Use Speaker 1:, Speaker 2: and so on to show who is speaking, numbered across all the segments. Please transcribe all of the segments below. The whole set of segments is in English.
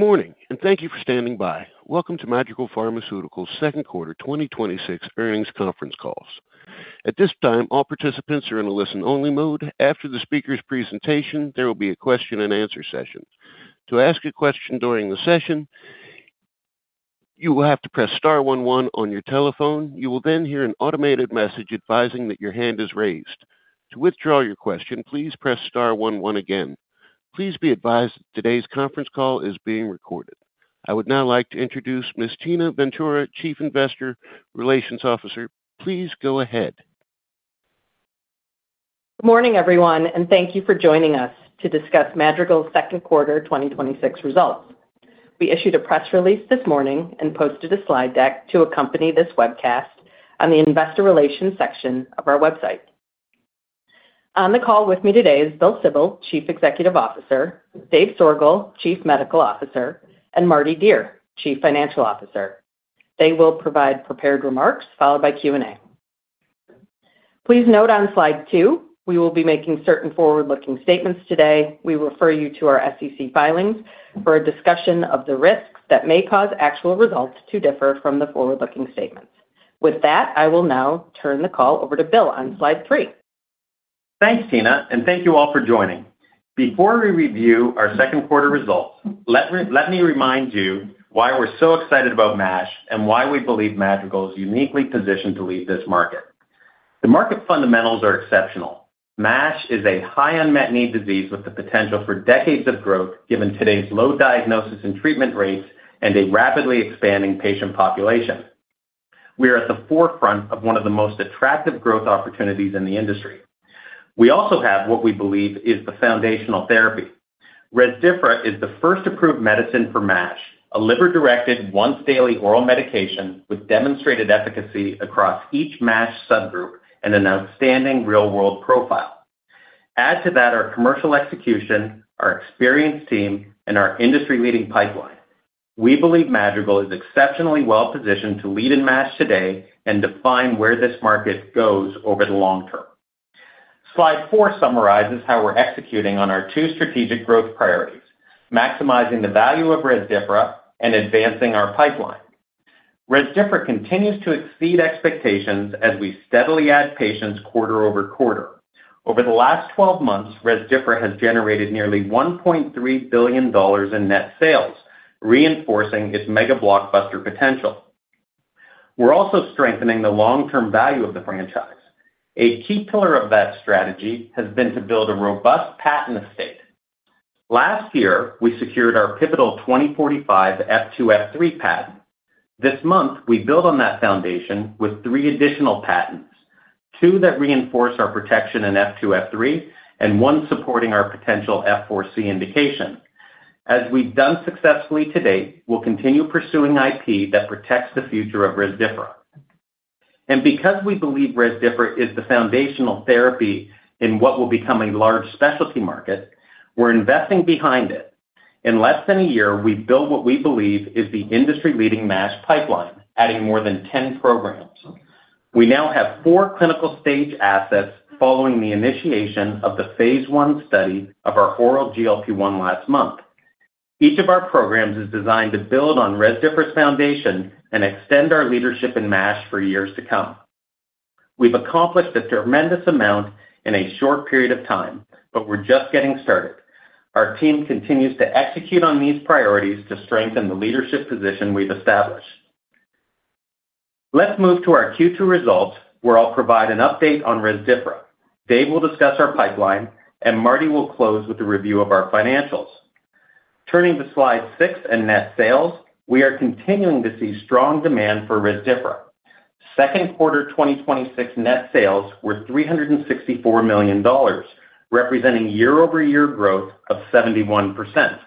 Speaker 1: Good morning, thank you for standing by. Welcome to Madrigal Pharmaceuticals' Second Quarter 2026 Earnings Conference Call. At this time, all participants are in a listen-only mode. After the speakers' presentation, there will be a question and answer session. To ask a question during the session, you will have to press star one one on your telephone. You will hear an automated message advising that your hand is raised. To withdraw your question, please press star one one again. Please be advised today's conference call is being recorded. I would now like to introduce Ms. Tina Ventura, Chief Investor Relations Officer. Please go ahead.
Speaker 2: Good morning, everyone, thank you for joining us to discuss Madrigal's second quarter 2026 results. We issued a press release this morning and posted a slide deck to accompany this webcast on the investor relations section of our website. On the call with me today is Bill Sibold, Chief Executive Officer, Dave Allegretti, Chief Medical Officer, and Mardi Dier, Chief Financial Officer. They will provide prepared remarks, followed by Q&A. Please note on slide two, we will be making certain forward-looking statements today. We refer you to our SEC filings for a discussion of the risks that may cause actual results to differ from the forward-looking statements. I will now turn the call over to Bill on slide three.
Speaker 3: Thanks, Tina, thank you all for joining. Before we review our second quarter results, let me remind you why we're so excited about MASH and why we believe Madrigal is uniquely positioned to lead this market. The market fundamentals are exceptional. MASH is a high unmet need disease with the potential for decades of growth, given today's low diagnosis and treatment rates and a rapidly expanding patient population. We are at the forefront of one of the most attractive growth opportunities in the industry. We also have what we believe is the foundational therapy. Rezdiffra is the first approved medicine for MASH, a liver-directed, once-daily oral medication with demonstrated efficacy across each MASH subgroup and an outstanding real-world profile. Add to that our commercial execution, our experienced team, and our industry-leading pipeline. We believe Madrigal is exceptionally well-positioned to lead in MASH today and define where this market goes over the long term. Slide four summarizes how we're executing on our two strategic growth priorities, maximizing the value of Rezdiffra and advancing our pipeline. Rezdiffra continues to exceed expectations as we steadily add patients quarter-over-quarter. Over the last 12 months, Rezdiffra has generated nearly $1.3 billion in net sales, reinforcing its mega blockbuster potential. We're also strengthening the long-term value of the franchise. A key pillar of that strategy has been to build a robust patent estate. Last year, we secured our pivotal 2045 F2-F3 patent. This month, we build on that foundation with three additional patents, two that reinforce our protection in F2-F3 and one supporting our potential F4-C indication. As we've done successfully to date, we'll continue pursuing IP that protects the future of Rezdiffra. Because we believe Rezdiffra is the foundational therapy in what will become a large specialty market, we're investing behind it. In less than a year, we've built what we believe is the industry-leading MASH pipeline, adding more than 10 programs. We now have four clinical-stage assets following the initiation of the phase I study of our oral GLP-1 last month. Each of our programs is designed to build on Rezdiffra's foundation and extend our leadership in MASH for years to come. We've accomplished a tremendous amount in a short period of time. We're just getting started. Our team continues to execute on these priorities to strengthen the leadership position we've established. Let's move to our Q2 results, where I'll provide an update on Rezdiffra. Dave will discuss our pipeline, and Mardi will close with a review of our financials. Turning to slide six and net sales, we are continuing to see strong demand for Rezdiffra. Second quarter 2026 net sales were $364 million, representing year-over-year growth of 71%.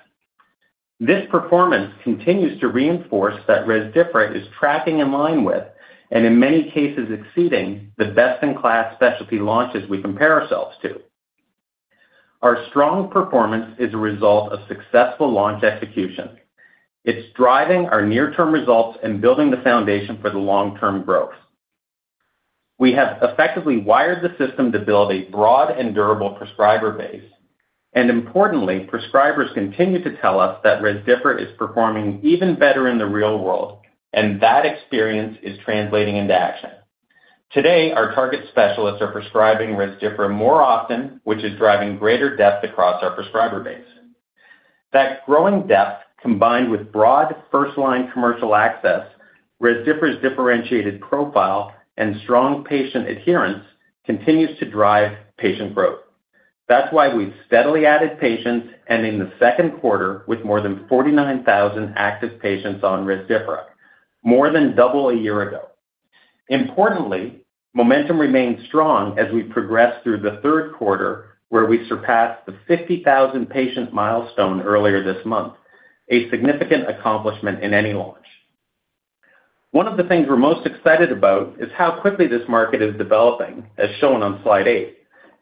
Speaker 3: This performance continues to reinforce that Rezdiffra is tracking in line with, and in many cases exceeding, the best-in-class specialty launches we compare ourselves to. Our strong performance is a result of successful launch execution. It's driving our near-term results and building the foundation for the long-term growth. Importantly, prescribers continue to tell us that Rezdiffra is performing even better in the real world, and that experience is translating into action. Today, our target specialists are prescribing Rezdiffra more often, which is driving greater depth across our prescriber base. That growing depth, combined with broad first-line commercial access, Rezdiffra's differentiated profile, and strong patient adherence, continues to drive patient growth. That's why we've steadily added patients, ending the second quarter with more than 49,000 active patients on Rezdiffra, more than double a year ago. Importantly, momentum remains strong as we progress through the third quarter, where we surpassed the 50,000-patient milestone earlier this month, a significant accomplishment in any launch. One of the things we're most excited about is how quickly this market is developing, as shown on slide eight.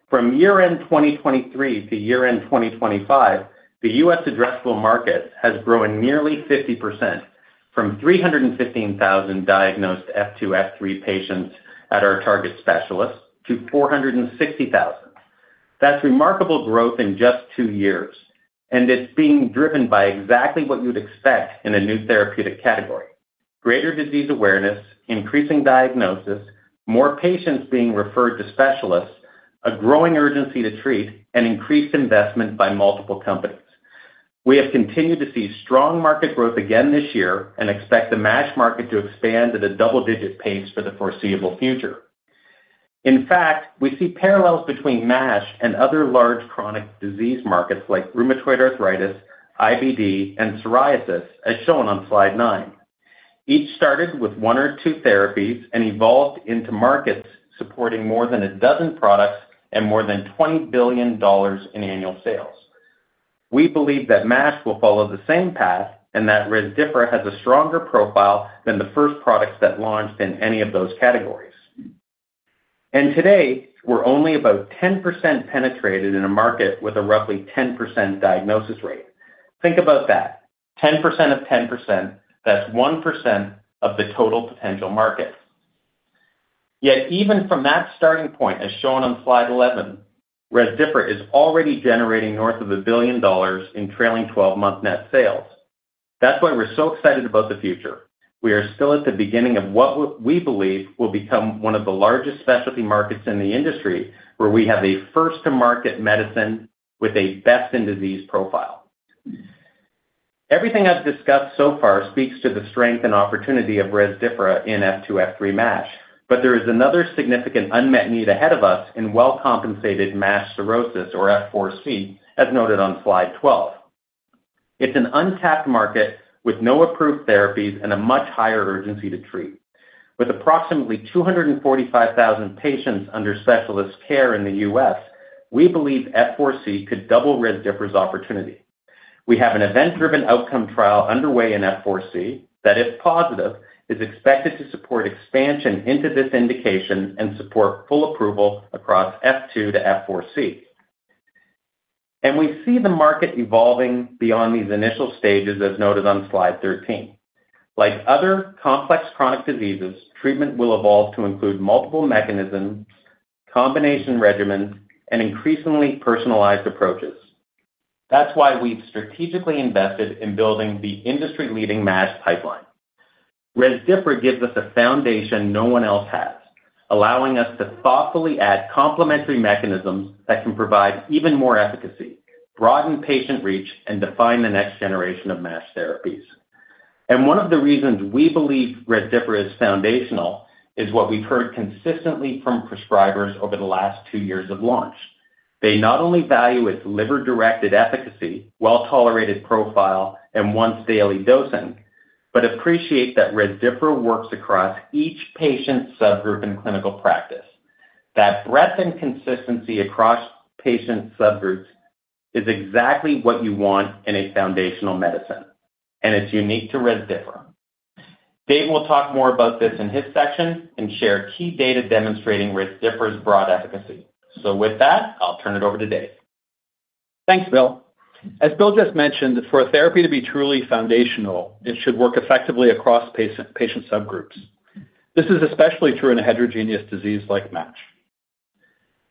Speaker 3: From year-end 2023 to year-end 2025, the U.S. addressable market has grown nearly 50%, from 315,000 diagnosed F2/F3 patients at our target specialists to 460,000. That's remarkable growth in just two years. It's being driven by exactly what you'd expect in a new therapeutic category, greater disease awareness, increasing diagnosis, more patients being referred to specialists, a growing urgency to treat, and increased investment by multiple companies. We have continued to see strong market growth again this year and expect the MASH market to expand at a double-digit pace for the foreseeable future. In fact, we see parallels between MASH and other large chronic disease markets like rheumatoid arthritis, IBD, and psoriasis, as shown on slide nine. Each started with one or two therapies and evolved into markets supporting more than a dozen products and more than $20 billion in annual sales. We believe that MASH will follow the same path and that Rezdiffra has a stronger profile than the first products that launched in any of those categories. Today, we're only about 10% penetrated in a market with a roughly 10% diagnosis rate. Think about that. 10% of 10%, that's 1% of the total potential market. Yet even from that starting point, as shown on slide 11, Rezdiffra is already generating north of $1 billion in trailing 12-month net sales. That's why we're so excited about the future. We are still at the beginning of what we believe will become one of the largest specialty markets in the industry, where we have a first-to-market medicine with a best-in-disease profile. Everything I've discussed so far speaks to the strength and opportunity of Rezdiffra in F2-F3 MASH, but there is another significant unmet need ahead of us in well-compensated MASH cirrhosis, or F4C, as noted on slide 12. It's an untapped market with no approved therapies and a much higher urgency to treat. With approximately 245,000 patients under specialist care in the U.S., we believe F4C could double Rezdiffra's opportunity. We have an event-driven outcome trial underway in F4C that, if positive, is expected to support expansion into this indication and support full approval across F2 to F4C. We see the market evolving beyond these initial stages, as noted on slide 13. Like other complex chronic diseases, treatment will evolve to include multiple mechanisms, combination regimens, and increasingly personalized approaches. That's why we've strategically invested in building the industry-leading MASH pipeline. Rezdiffra gives us a foundation no one else has, allowing us to thoughtfully add complementary mechanisms that can provide even more efficacy, broaden patient reach, and define the next generation of MASH therapies. One of the reasons we believe Rezdiffra is foundational is what we've heard consistently from prescribers over the last two years of launch. They not only value its liver-directed efficacy, well-tolerated profile, and once-daily dosing, but appreciate that Rezdiffra works across each patient subgroup and clinical practice. That breadth and consistency across patient subgroups is exactly what you want in a foundational medicine, and it's unique to Rezdiffra. Dave will talk more about this in his section and share key data demonstrating Rezdiffra's broad efficacy. With that, I'll turn it over to Dave.
Speaker 4: Thanks, Bill. As Bill just mentioned, for a therapy to be truly foundational, it should work effectively across patient subgroups. This is especially true in a heterogeneous disease like MASH.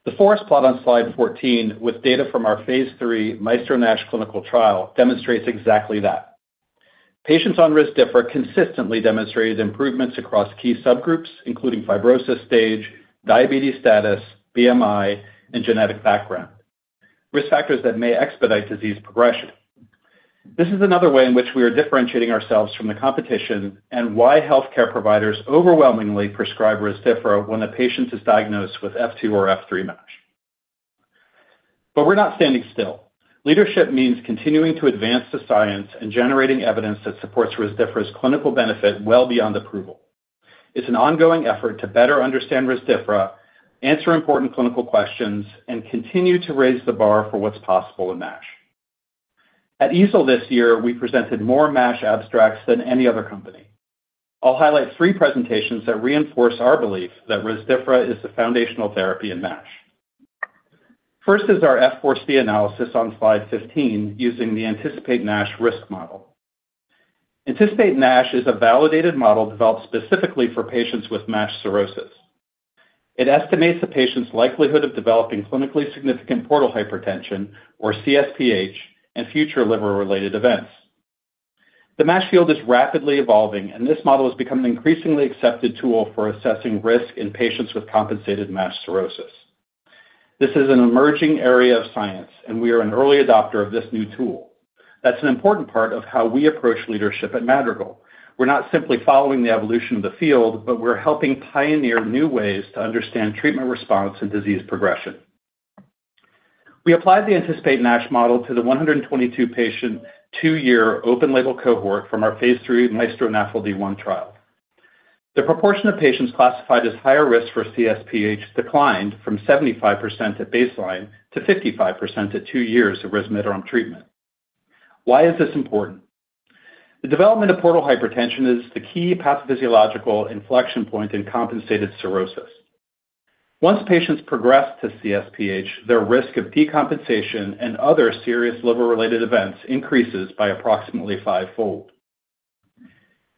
Speaker 4: The forest plot on slide 14 with data from our phase III MAESTRO-MASH clinical trial demonstrates exactly that. Patients on Rezdiffra consistently demonstrated improvements across key subgroups, including fibrosis stage, diabetes status, BMI, and genetic background, risk factors that may expedite disease progression. This is another way in which we are differentiating ourselves from the competition and why healthcare providers overwhelmingly prescribe Rezdiffra when a patient is diagnosed with F2 or F3 MASH. We're not standing still. Leadership means continuing to advance the science and generating evidence that supports Rezdiffra's clinical benefit well beyond approval. It's an ongoing effort to better understand Rezdiffra, answer important clinical questions, and continue to raise the bar for what's possible in MASH. At EASL this year, we presented more MASH abstracts than any other company. I'll highlight three presentations that reinforce our belief that Rezdiffra is the foundational therapy in MASH. First is our F4-C analysis on slide 15 using the ANTICIPATE-MASH risk model. ANTICIPATE-MASH is a validated model developed specifically for patients with MASH cirrhosis. It estimates a patient's likelihood of developing clinically significant portal hypertension, or CSPH, and future liver-related events. The MASH field is rapidly evolving. This model has become an increasingly accepted tool for assessing risk in patients with compensated MASH cirrhosis. This is an emerging area of science. We are an early adopter of this new tool. That's an important part of how we approach leadership at Madrigal. We're not simply following the evolution of the field, but we're helping pioneer new ways to understand treatment response and disease progression. We applied the ANTICIPATE-MASH model to the 122-patient, two-year open label cohort from our phase III MAESTRO-NAFLD-1 trial. The proportion of patients classified as higher risk for CSPH declined from 75% at baseline to 55% at two years of resmetirom treatment. Why is this important? The development of portal hypertension is the key pathophysiological inflection point in compensated cirrhosis. Once patients progress to CSPH, their risk of decompensation and other serious liver-related events increases by approximately fivefold.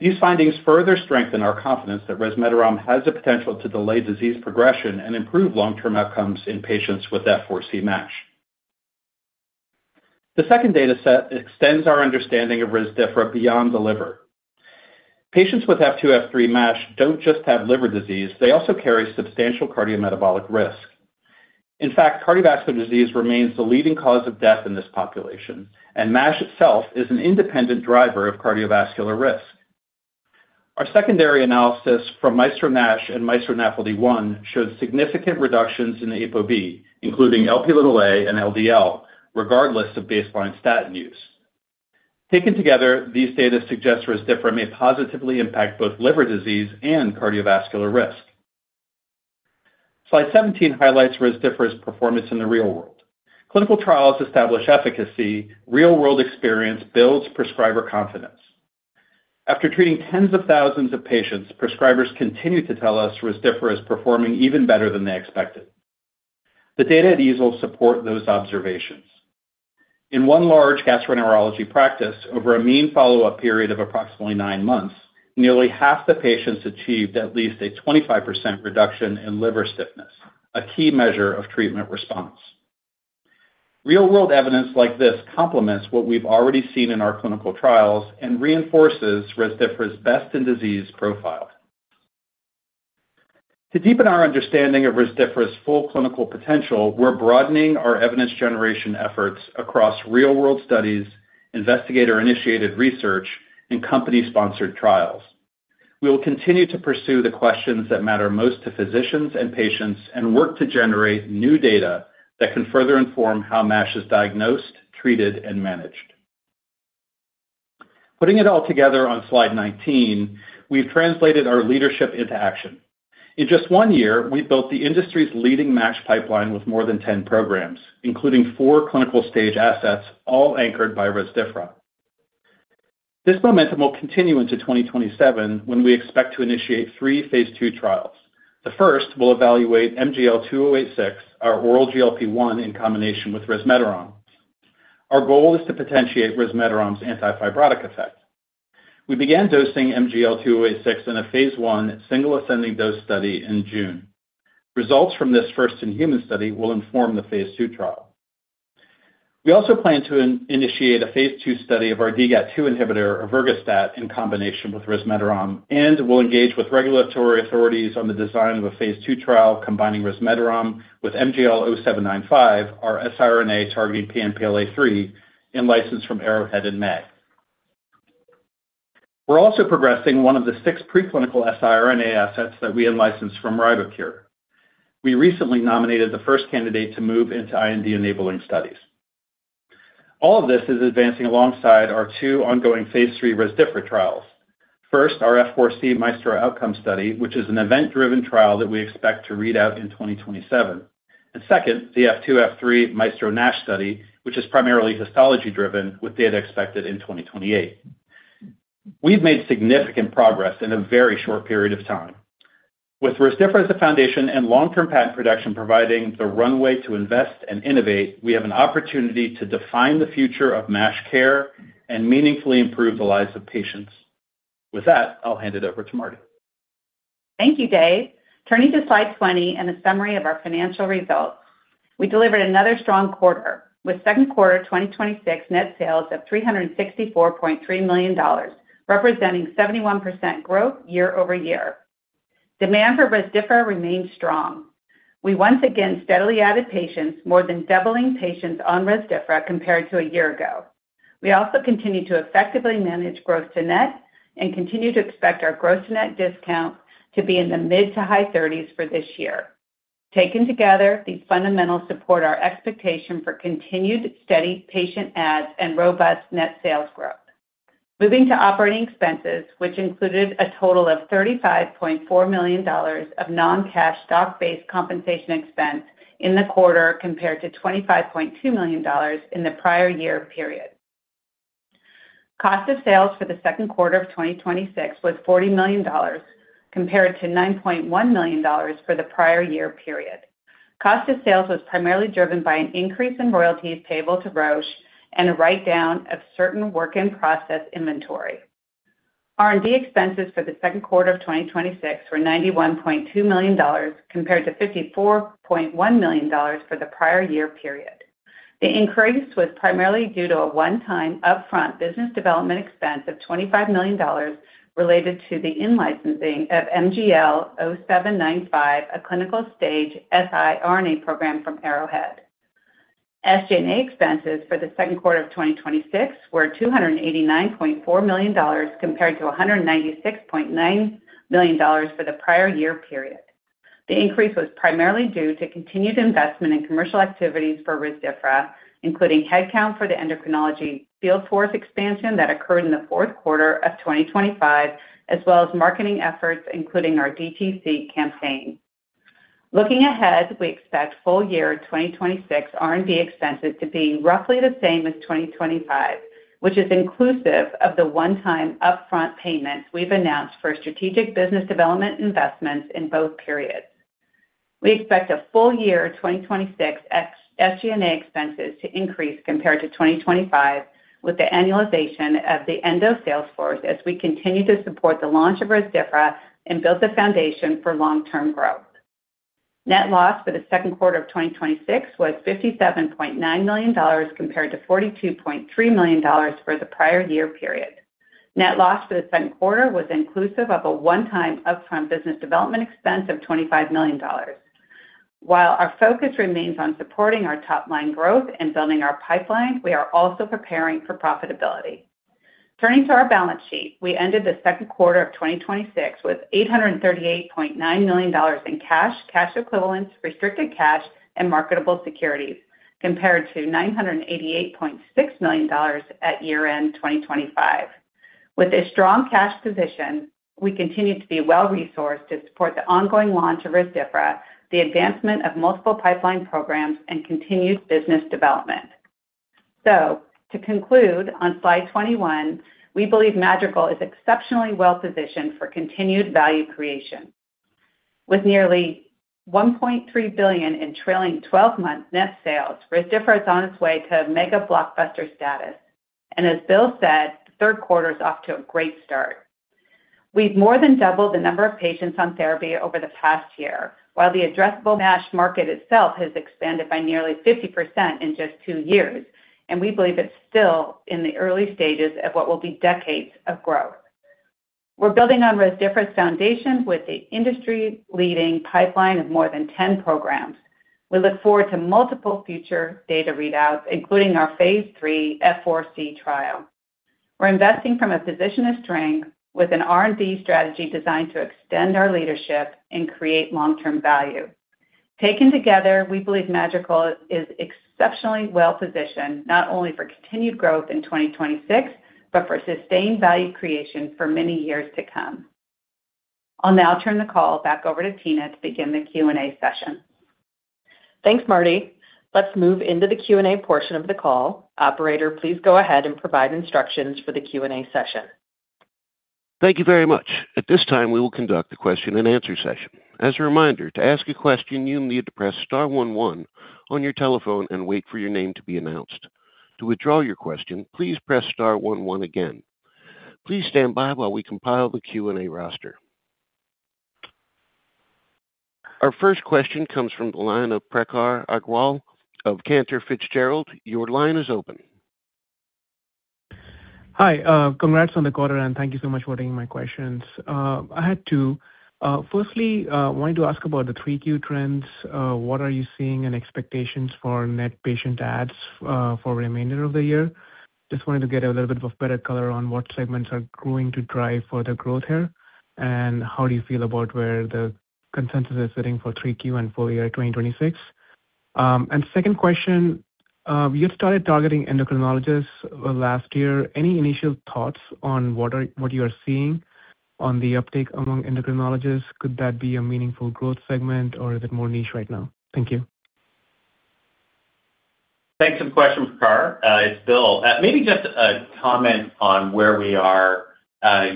Speaker 4: These findings further strengthen our confidence that resmetirom has the potential to delay disease progression and improve long-term outcomes in patients with F4-C MASH. The second data set extends our understanding of Rezdiffra beyond the liver. Patients with F2-F3 MASH don't just have liver disease, they also carry substantial cardiometabolic risk. In fact, cardiovascular disease remains the leading cause of death in this population. MASH itself is an independent driver of cardiovascular risk. Our secondary analysis from MAESTRO-MASH and MAESTRO-NAFLD-1 showed significant reductions in the ApoB, including Lp and LDL, regardless of baseline statin use. Taken together, these data suggest Rezdiffra may positively impact both liver disease and cardiovascular risk. Slide 17 highlights Rezdiffra's performance in the real world. Clinical trials establish efficacy, real-world experience builds prescriber confidence. After treating tens of thousands of patients, prescribers continue to tell us Rezdiffra is performing even better than they expected. The data at EASL support those observations. In one large gastroenterology practice, over a mean follow-up period of approximately nine months, nearly half the patients achieved at least a 25% reduction in liver stiffness, a key measure of treatment response. Real-world evidence like this complements what we've already seen in our clinical trials and reinforces Rezdiffra's best-in-disease profile. To deepen our understanding of Rezdiffra's full clinical potential, we're broadening our evidence generation efforts across real-world studies, investigator-initiated research, and company-sponsored trials. We will continue to pursue the questions that matter most to physicians and patients. Work to generate new data that can further inform how MASH is diagnosed, treated, and managed. Putting it all together on slide 19, we've translated our leadership into action. In just one year, we've built the industry's leading MASH pipeline with more than 10 programs, including 4 clinical stage assets, all anchored by Rezdiffra. This momentum will continue into 2027 when we expect to initiate 3 phase II trials. The first will evaluate MGL-2086, our oral GLP-1 in combination with resmetirom. Our goal is to potentiate resmetirom's anti-fibrotic effect. We began dosing MGL-2086 in a phase I single ascending dose study in June. Results from this first-in-human study will inform the phase II trial. We also plan to initiate a phase II study of our DGAT2 inhibitor, ervogastat, in combination with resmetirom, and we'll engage with regulatory authorities on the design of a phase II trial combining resmetirom with MGL0795, our siRNA targeting PNPLA3, in-licensed from Arrowhead in May. We're also progressing one of the six preclinical siRNA assets that we in-licensed from Ribocure. We recently nominated the first candidate to move into IND-enabling studies. All of this is advancing alongside our two ongoing phase III Rezdiffra trials. First, our F4-C MAESTRO Outcomes study, which is an event-driven trial that we expect to read out in 2027. Second, the F2-F3 MAESTRO-NASH study, which is primarily histology-driven, with data expected in 2028. We've made significant progress in a very short period of time. With Rezdiffra as the foundation and long-term patent protection providing the runway to invest and innovate, we have an opportunity to define the future of MASH care and meaningfully improve the lives of patients. With that, I'll hand it over to Mardi.
Speaker 5: Thank you, Dave. Turning to slide 20 and a summary of our financial results. We delivered another strong quarter, with second quarter 2026 net sales of $364.3 million, representing 71% growth year-over-year. Demand for Rezdiffra remains strong. We once again steadily added patients, more than doubling patients on Rezdiffra compared to a year ago. We also continue to effectively manage growth to net and continue to expect our growth to net discount to be in the mid to high 30s for this year. Taken together, these fundamentals support our expectation for continued steady patient adds and robust net sales growth. Moving to operating expenses, which included a total of $35.4 million of non-cash stock-based compensation expense in the quarter, compared to $25.2 million in the prior year period. Cost of sales for the second quarter of 2026 was $40 million, compared to $9.1 million for the prior year period. Cost of sales was primarily driven by an increase in royalties payable to Roche and a write-down of certain work-in-process inventory. R&D expenses for the second quarter of 2026 were $91.2 million, compared to $54.1 million for the prior year period. The increase was primarily due to a one-time upfront business development expense of $25 million related to the in-licensing of MGL0795, a clinical stage siRNA program from Arrowhead. SG&A expenses for the second quarter of 2026 were $289.4 million, compared to $196.9 million for the prior year period. The increase was primarily due to continued investment in commercial activities for Rezdiffra, including headcount for the endocrinology field force expansion that occurred in the fourth quarter of 2025, as well as marketing efforts, including our DTC campaign. Looking ahead, we expect full year 2026 R&D expenses to be roughly the same as 2025, which is inclusive of the one-time upfront payments we've announced for strategic business development investments in both periods. We expect full year 2026 SG&A expenses to increase compared to 2025 with the annualization of the Endo sales force as we continue to support the launch of Rezdiffra and build the foundation for long-term growth. Net loss for the second quarter of 2026 was $57.9 million compared to $42.3 million for the prior year period. Net loss for the second quarter was inclusive of a one-time upfront business development expense of $25 million. While our focus remains on supporting our top-line growth and building our pipeline, we are also preparing for profitability. Turning to our balance sheet, we ended the second quarter of 2026 with $838.9 million in cash equivalents, restricted cash and marketable securities, compared to $988.6 million at year-end 2025. With a strong cash position, we continue to be well resourced to support the ongoing launch of Rezdiffra, the advancement of multiple pipeline programs and continued business development. To conclude on Slide 21, we believe Madrigal is exceptionally well positioned for continued value creation. With nearly $1.3 billion in trailing 12-month net sales, Rezdiffra is on its way to mega blockbuster status. As Bill said, the third quarter is off to a great start. We've more than doubled the number of patients on therapy over the past year, while the addressable MASH market itself has expanded by nearly 50% in just two years, and we believe it's still in the early stages of what will be decades of growth. We're building on Rezdiffra's foundation with the industry-leading pipeline of more than 10 programs. We look forward to multiple future data readouts, including our phase III F4-C trial. We're investing from a position of strength with an R&D strategy designed to extend our leadership and create long-term value. Taken together, we believe Madrigal is exceptionally well-positioned, not only for continued growth in 2026, but for sustained value creation for many years to come. I'll now turn the call back over to Tina to begin the Q&A session.
Speaker 2: Thanks, Mardi. Let's move into the Q&A portion of the call. Operator, please go ahead and provide instructions for the Q&A session.
Speaker 1: Thank you very much. At this time, we will conduct the question and answer session. As a reminder, to ask a question, you need to press star one one on your telephone and wait for your name to be announced. To withdraw your question, please press star one one again. Please stand by while we compile the Q&A roster. Our first question comes from the line of Prakhar Agrawal of Cantor Fitzgerald. Your line is open.
Speaker 6: Hi. Congrats on the quarter, thank you so much for taking my questions. I had two. Firstly, wanted to ask about the 3Q trends. What are you seeing in expectations for net patient adds for remainder of the year? Just wanted to get a little bit of a better color on what segments are going to drive further growth here, and how do you feel about where the consensus is sitting for 3Q and full year 2026? Second question, you had started targeting endocrinologists last year. Any initial thoughts on what you are seeing on the uptake among endocrinologists? Could that be a meaningful growth segment or is it more niche right now? Thank you.
Speaker 3: Thanks for the question, Prakhar. It's Bill. Maybe just a comment on where we are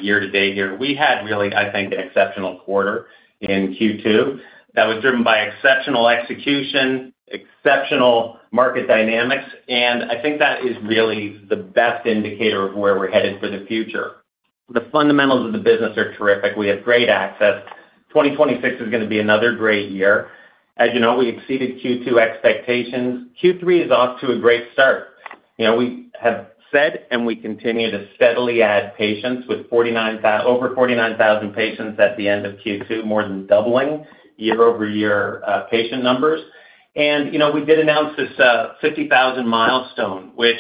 Speaker 3: year to date here. We had really, I think, an exceptional quarter in Q2 that was driven by exceptional execution, exceptional market dynamics, and I think that is really the best indicator of where we're headed for the future. The fundamentals of the business are terrific. We have great access. 2026 is going to be another great year. As you know, we exceeded Q2 expectations. Q3 is off to a great start. We have said, We continue to steadily add patients with over 49,000 patients at the end of Q2, more than doubling year-over-year patient numbers. We did announce this 50,000 milestone, which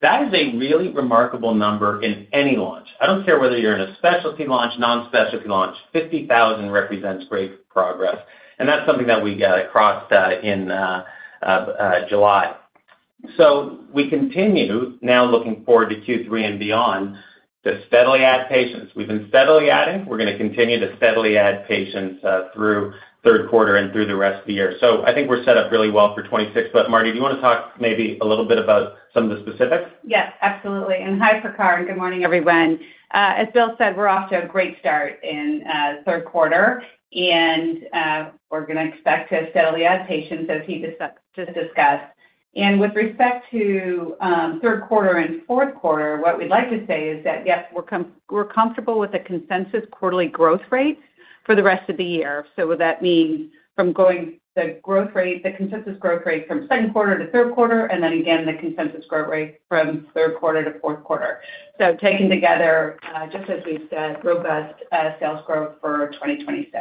Speaker 3: that is a really remarkable number in any launch. I don't care whether you're in a specialty launch, non-specialty launch, 50,000 represents great progress. That's something that we got across in July. We continue now looking forward to Q3 and beyond to steadily add patients. We've been steadily adding. We're going to continue to steadily add patients through third quarter and through the rest of the year. I think we're set up really well for 2026. Mardi, do you want to talk maybe a little bit about some of the specifics?
Speaker 5: Yes, absolutely. Hi, Prakhar. Good morning, everyone. As Bill said, we're off to a great start in third quarter and we're going to expect to steadily add patients as he just discussed. With respect to third quarter and fourth quarter, what we'd like to say is that, yes, we're comfortable with the consensus quarterly growth rates for the rest of the year. Would that mean from going the consensus growth rate from second quarter to third quarter, and then again, the consensus growth rate from third quarter to fourth quarter. Taken together, just as we've said, robust sales growth for 2026.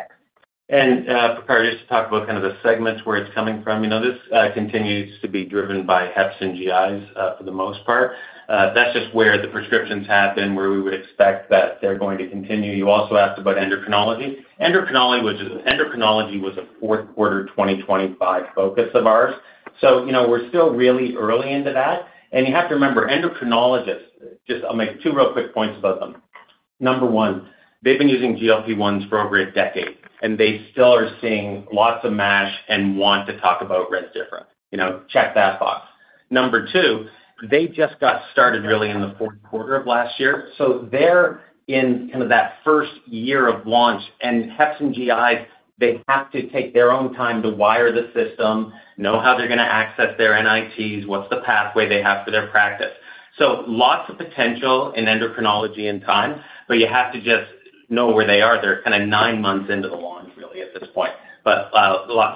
Speaker 3: Prakhar, just to talk about the segments where it's coming from. This continues to be driven by Hepatitis C and GIs, for the most part. That's just where the prescriptions happen, where we would expect that they're going to continue. You also asked about endocrinology. Endocrinology was a fourth quarter 2025 focus of ours. We're still really early into that. You have to remember, endocrinologists, just I'll make two real quick points about them. Number one, they've been using GLP-1s for over a decade, and they still are seeing lots of MASH and want to talk about Rezdiffra. Check that box. Number two, they just got started really in the fourth quarter of last year. They're in kind of that first year of launch and hep and GI, they have to take their own time to wire the system, know how they're going to access their NITs, what's the pathway they have for their practice. Lots of potential in endocrinology in time, but you have to just know where they are. They're kind of nine months into the launch really at this point.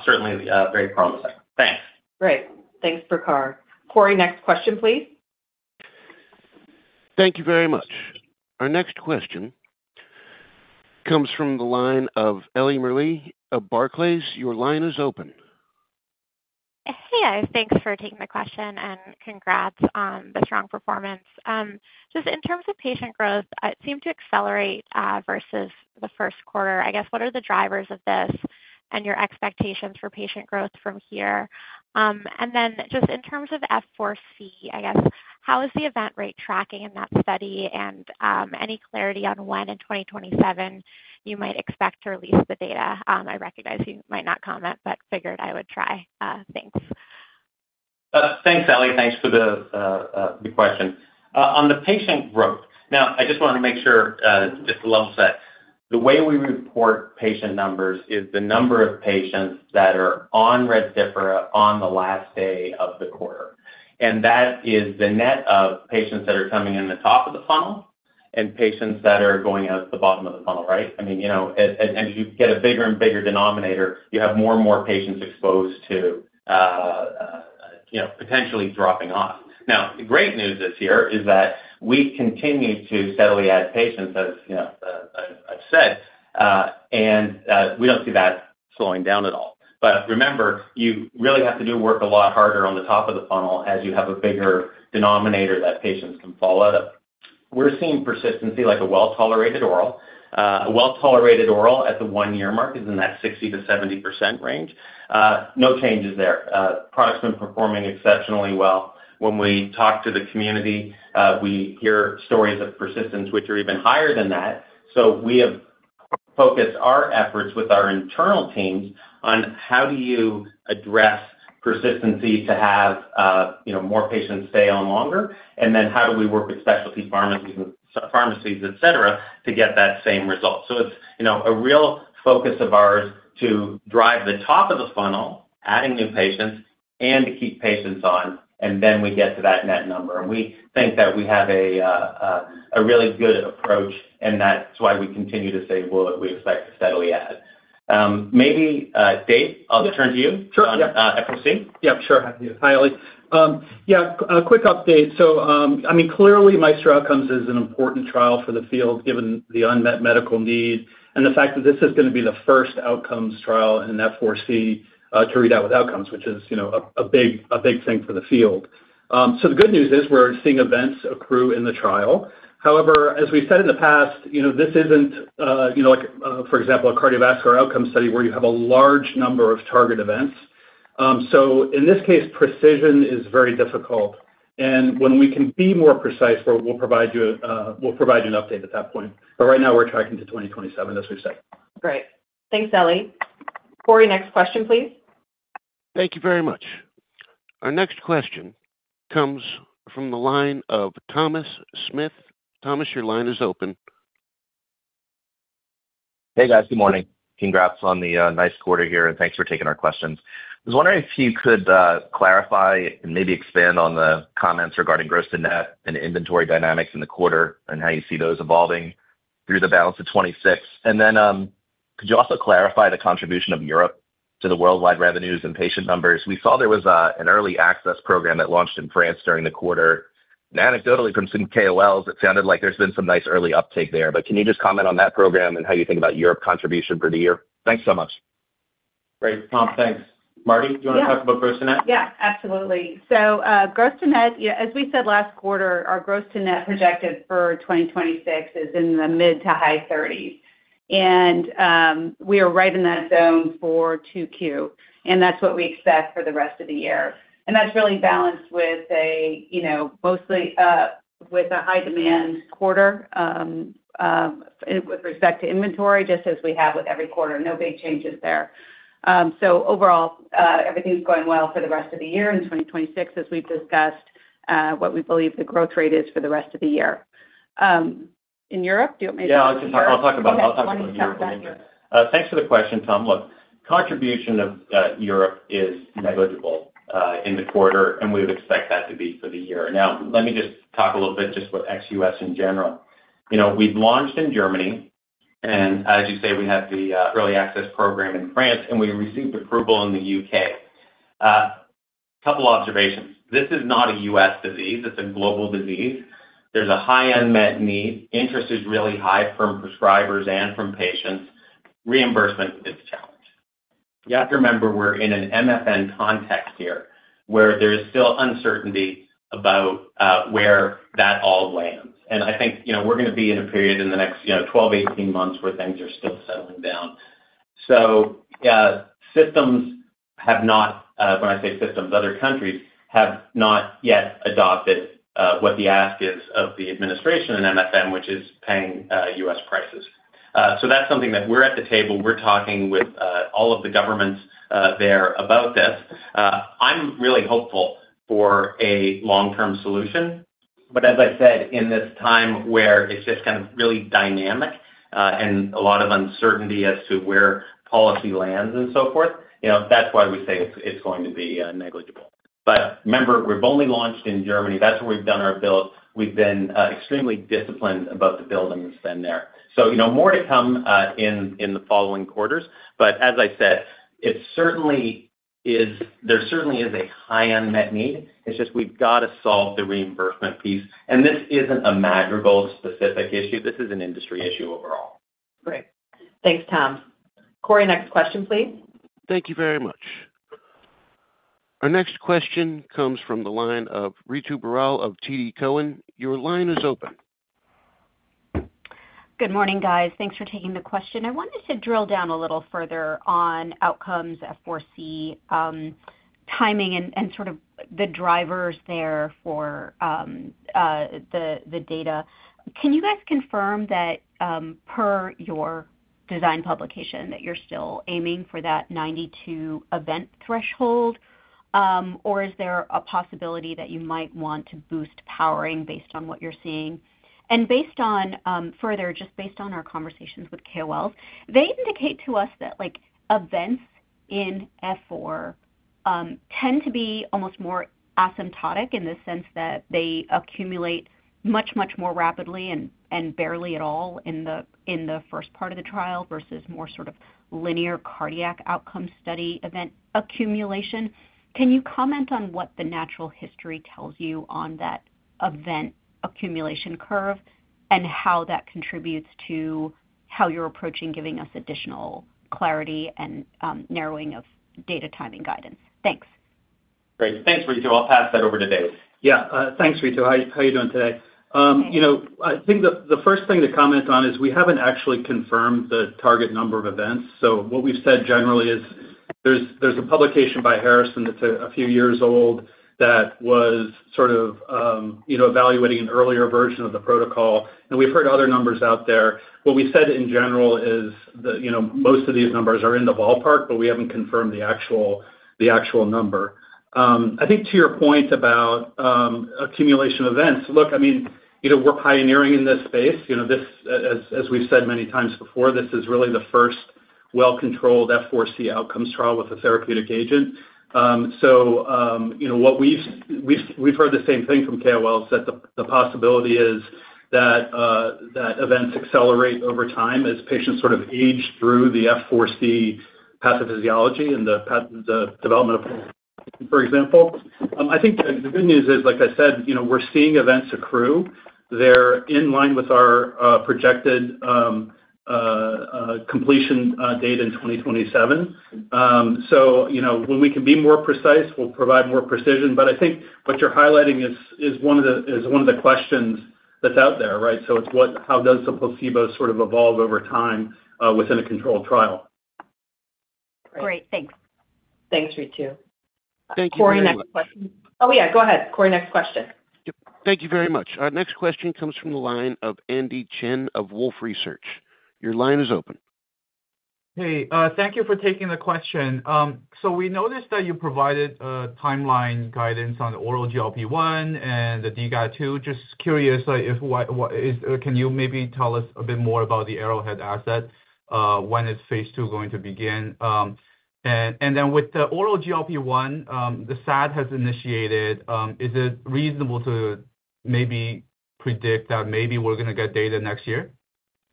Speaker 3: Certainly very promising. Thanks.
Speaker 2: Great. Thanks, Prakhar. Corey, next question, please.
Speaker 1: Thank you very much. Our next question comes from the line of Ellie Merli of Barclays. Your line is open.
Speaker 7: Hey, guys. Thanks for taking the question. Congrats on the strong performance. Just in terms of patient growth, it seemed to accelerate, versus the first quarter, I guess, what are the drivers of this and your expectations for patient growth from here? Then just in terms of F4C, I guess, how is the event rate tracking in that study? Any clarity on when in 2027 you might expect to release the data? I recognize you might not comment, but figured I would try. Thanks.
Speaker 3: Thanks, Ellie. Thanks for the question. On the patient growth. Now I just want to make sure, just to level set, the way we report patient numbers is the number of patients that are on Rezdiffra on the last day of the quarter. That is the net of patients that are coming in the top of the funnel. Patients that are going out the bottom of the funnel, right? As you get a bigger and bigger denominator, you have more and more patients exposed to potentially dropping off. Now, the great news this year is that we've continued to steadily add patients, as I've said. We don't see that slowing down at all. Remember, you really have to do work a lot harder on the top of the funnel as you have a bigger denominator that patients can fall out of. We're seeing persistency like a well-tolerated oral. A well-tolerated oral at the one-year mark is in that 60%-70% range. No changes there. Product's been performing exceptionally well. When we talk to the community, we hear stories of persistence, which are even higher than that. We have focused our efforts with our internal teams on how do you address persistency to have more patients stay on longer. Then how do we work with specialty pharmacies, et cetera, to get that same result. It's a real focus of ours to drive the top of the funnel, adding new patients, to keep patients on. Then we get to that net number. We think that we have a really good approach. That's why we continue to say we expect to steadily add. Maybe, Dave, I'll turn to you.
Speaker 4: Sure, yeah.
Speaker 3: On, F4C.
Speaker 4: Yeah, sure. Hi, Ellie. A quick update. Clearly, MAESTRO-NASH OUTCOMES is an important trial for the field, given the unmet medical need and the fact that this is going to be the first outcomes trial in an F4C to read out with outcomes, which is a big thing for the field. The good news is we're seeing events accrue in the trial. However, as we've said in the past, this isn't, for example, a cardiovascular outcome study where you have a large number of target events. In this case, precision is very difficult and when we can be more precise, we'll provide you an update at that point. Right now we're tracking to 2027, as we've said.
Speaker 2: Great. Thanks, Ellie. Corey, next question, please.
Speaker 1: Thank you very much. Our next question comes from the line of Thomas Smith. Thomas, your line is open.
Speaker 8: Hey, guys. Good morning. Congrats on the nice quarter here and thanks for taking our questions. I was wondering if you could clarify and maybe expand on the comments regarding gross to net and inventory dynamics in the quarter and how you see those evolving through the balance of 2026. Could you also clarify the contribution of Europe to the worldwide revenues and patient numbers? We saw there was an early access program that launched in France during the quarter. Anecdotally from some KOLs, it sounded like there's been some nice early uptake there. Can you just comment on that program and how you think about Europe contribution for the year? Thanks so much.
Speaker 3: Great, Tom. Thanks. Mardi, do you want to talk about gross to net?
Speaker 5: Yeah, absolutely. Gross to net, as we said last quarter, our gross to net projected for 2026 is in the mid to high 30s. We are right in that zone for 2Q, and that's what we expect for the rest of the year. That's really balanced with a high-demand quarter, with respect to inventory, just as we have with every quarter. No big changes there. Overall, everything's going well for the rest of the year in 2026 as we've discussed what we believe the growth rate is for the rest of the year. In Europe, do you want me to.
Speaker 3: Yeah, I'll talk about Europe.
Speaker 5: Go ahead. Why don't you talk about Europe?
Speaker 3: Thanks for the question, Tom. Look, contribution of Europe is negligible in the quarter, and we would expect that to be for the year. Now let me just talk a little bit just with ex-U.S. in general. We've launched in Germany and as you say, we have the early access program in France, and we received approval in the U.K. Couple observations. This is not a U.S. disease. It's a global disease. There's a high unmet need. Interest is really high from prescribers and from patients. Reimbursement is a challenge. You have to remember we're in an MFN context here where there is still uncertainty about where that all lands. I think we're going to be in a period in the next 12, 18 months where things are still settling down. Systems have not, when I say systems, other countries, have not yet adopted what the ask is of the administration in MFN, which is paying U.S. prices. That's something that we're at the table, we're talking with all of the governments there about this. I'm really hopeful for a long-term solution. As I said, in this time where it's just kind of really dynamic and a lot of uncertainty as to where policy lands and so forth, that's why we say it's going to be negligible. Remember, we've only launched in Germany. That's where we've done our build. We've been extremely disciplined about the build and the spend there. More to come in the following quarters. As I said, there certainly is a high unmet need. It's just we've got to solve the reimbursement piece. This isn't a Madrigal specific issue. This is an industry issue overall.
Speaker 2: Great. Thanks, Tom. Corey, next question, please.
Speaker 1: Thank you very much. Our next question comes from the line of Ritu Baral of TD Cowen. Your line is open.
Speaker 9: Good morning, guys. Thanks for taking the question. I wanted to drill down a little further on outcomes F4C, timing and sort of the drivers there for the data. Can you guys confirm that, per your design publication, that you're still aiming for that 92-event threshold? Or is there a possibility that you might want to boost powering based on what you're seeing? Further, just based on our conversations with KOLs, they indicate to us that events in F4 tend to be almost more asymptotic in the sense that they accumulate much, much more rapidly and barely at all in the first part of the trial versus more sort of linear cardiac outcome study event accumulation. Can you comment on what the natural history tells you on that event accumulation curve and how that contributes to how you're approaching giving us additional clarity and narrowing of data timing guidance? Thanks.
Speaker 3: Great. Thanks, Ritu. I'll pass that over to Dave.
Speaker 4: Yeah. Thanks, Ritu. How are you doing today?
Speaker 9: Hey.
Speaker 4: I think the first thing to comment on is we haven't actually confirmed the target number of events. What we've said generally is there's a publication by Harrison that's a few years old that was sort of evaluating an earlier version of the protocol, and we've heard other numbers out there. What we said in general is that most of these numbers are in the ballpark, but we haven't confirmed the actual number. I think to your point about accumulation events, look, we're pioneering in this space. As we've said many times before, this is really the first well-controlled F4C outcomes trial with a therapeutic agent. We've heard the same thing from KOLs, that the possibility is that events accelerate over time as patients sort of age through the F4C pathophysiology and the development of, for example. I think the good news is, like I said, we're seeing events accrue. They're in line with our projected completion date in 2027. When we can be more precise, we'll provide more precision. I think what you're highlighting is one of the questions that's out there, right? It's how does the placebo sort of evolve over time within a controlled trial?
Speaker 9: Great. Thanks.
Speaker 2: Thanks, Ritu.
Speaker 1: Thank you very much.
Speaker 2: Corey, next question. Oh, yeah, go ahead. Corey, next question.
Speaker 1: Thank you very much. Our next question comes from the line of Andy Chen of Wolfe Research. Your line is open.
Speaker 10: Hey. Thank you for taking the question. We noticed that you provided a timeline guidance on the oral GLP-1 and the DGAT2. Just curious, can you maybe tell us a bit more about the Arrowhead asset? When is phase II going to begin? With the oral GLP-1, the SAD has initiated. Is it reasonable to maybe predict that maybe we're going to get data next year?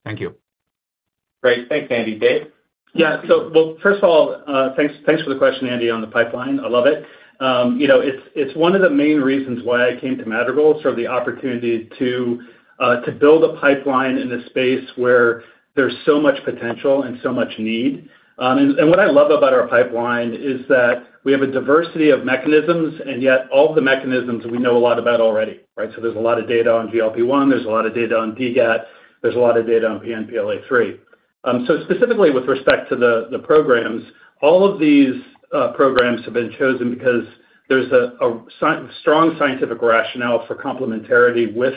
Speaker 10: Thank you.
Speaker 3: Great. Thanks, Andy. Dave?
Speaker 4: Yeah. Well, first of all, thanks for the question, Andy, on the pipeline. I love it. It's one of the main reasons why I came to Madrigal, sort of the opportunity to build a pipeline in a space where there's so much potential and so much need. What I love about our pipeline is that we have a diversity of mechanisms, and yet all of the mechanisms we know a lot about already, right? There's a lot of data on GLP-1, there's a lot of data on DGAT, there's a lot of data on PNPLA3. Specifically with respect to the programs, all of these programs have been chosen because there's a strong scientific rationale for complementarity with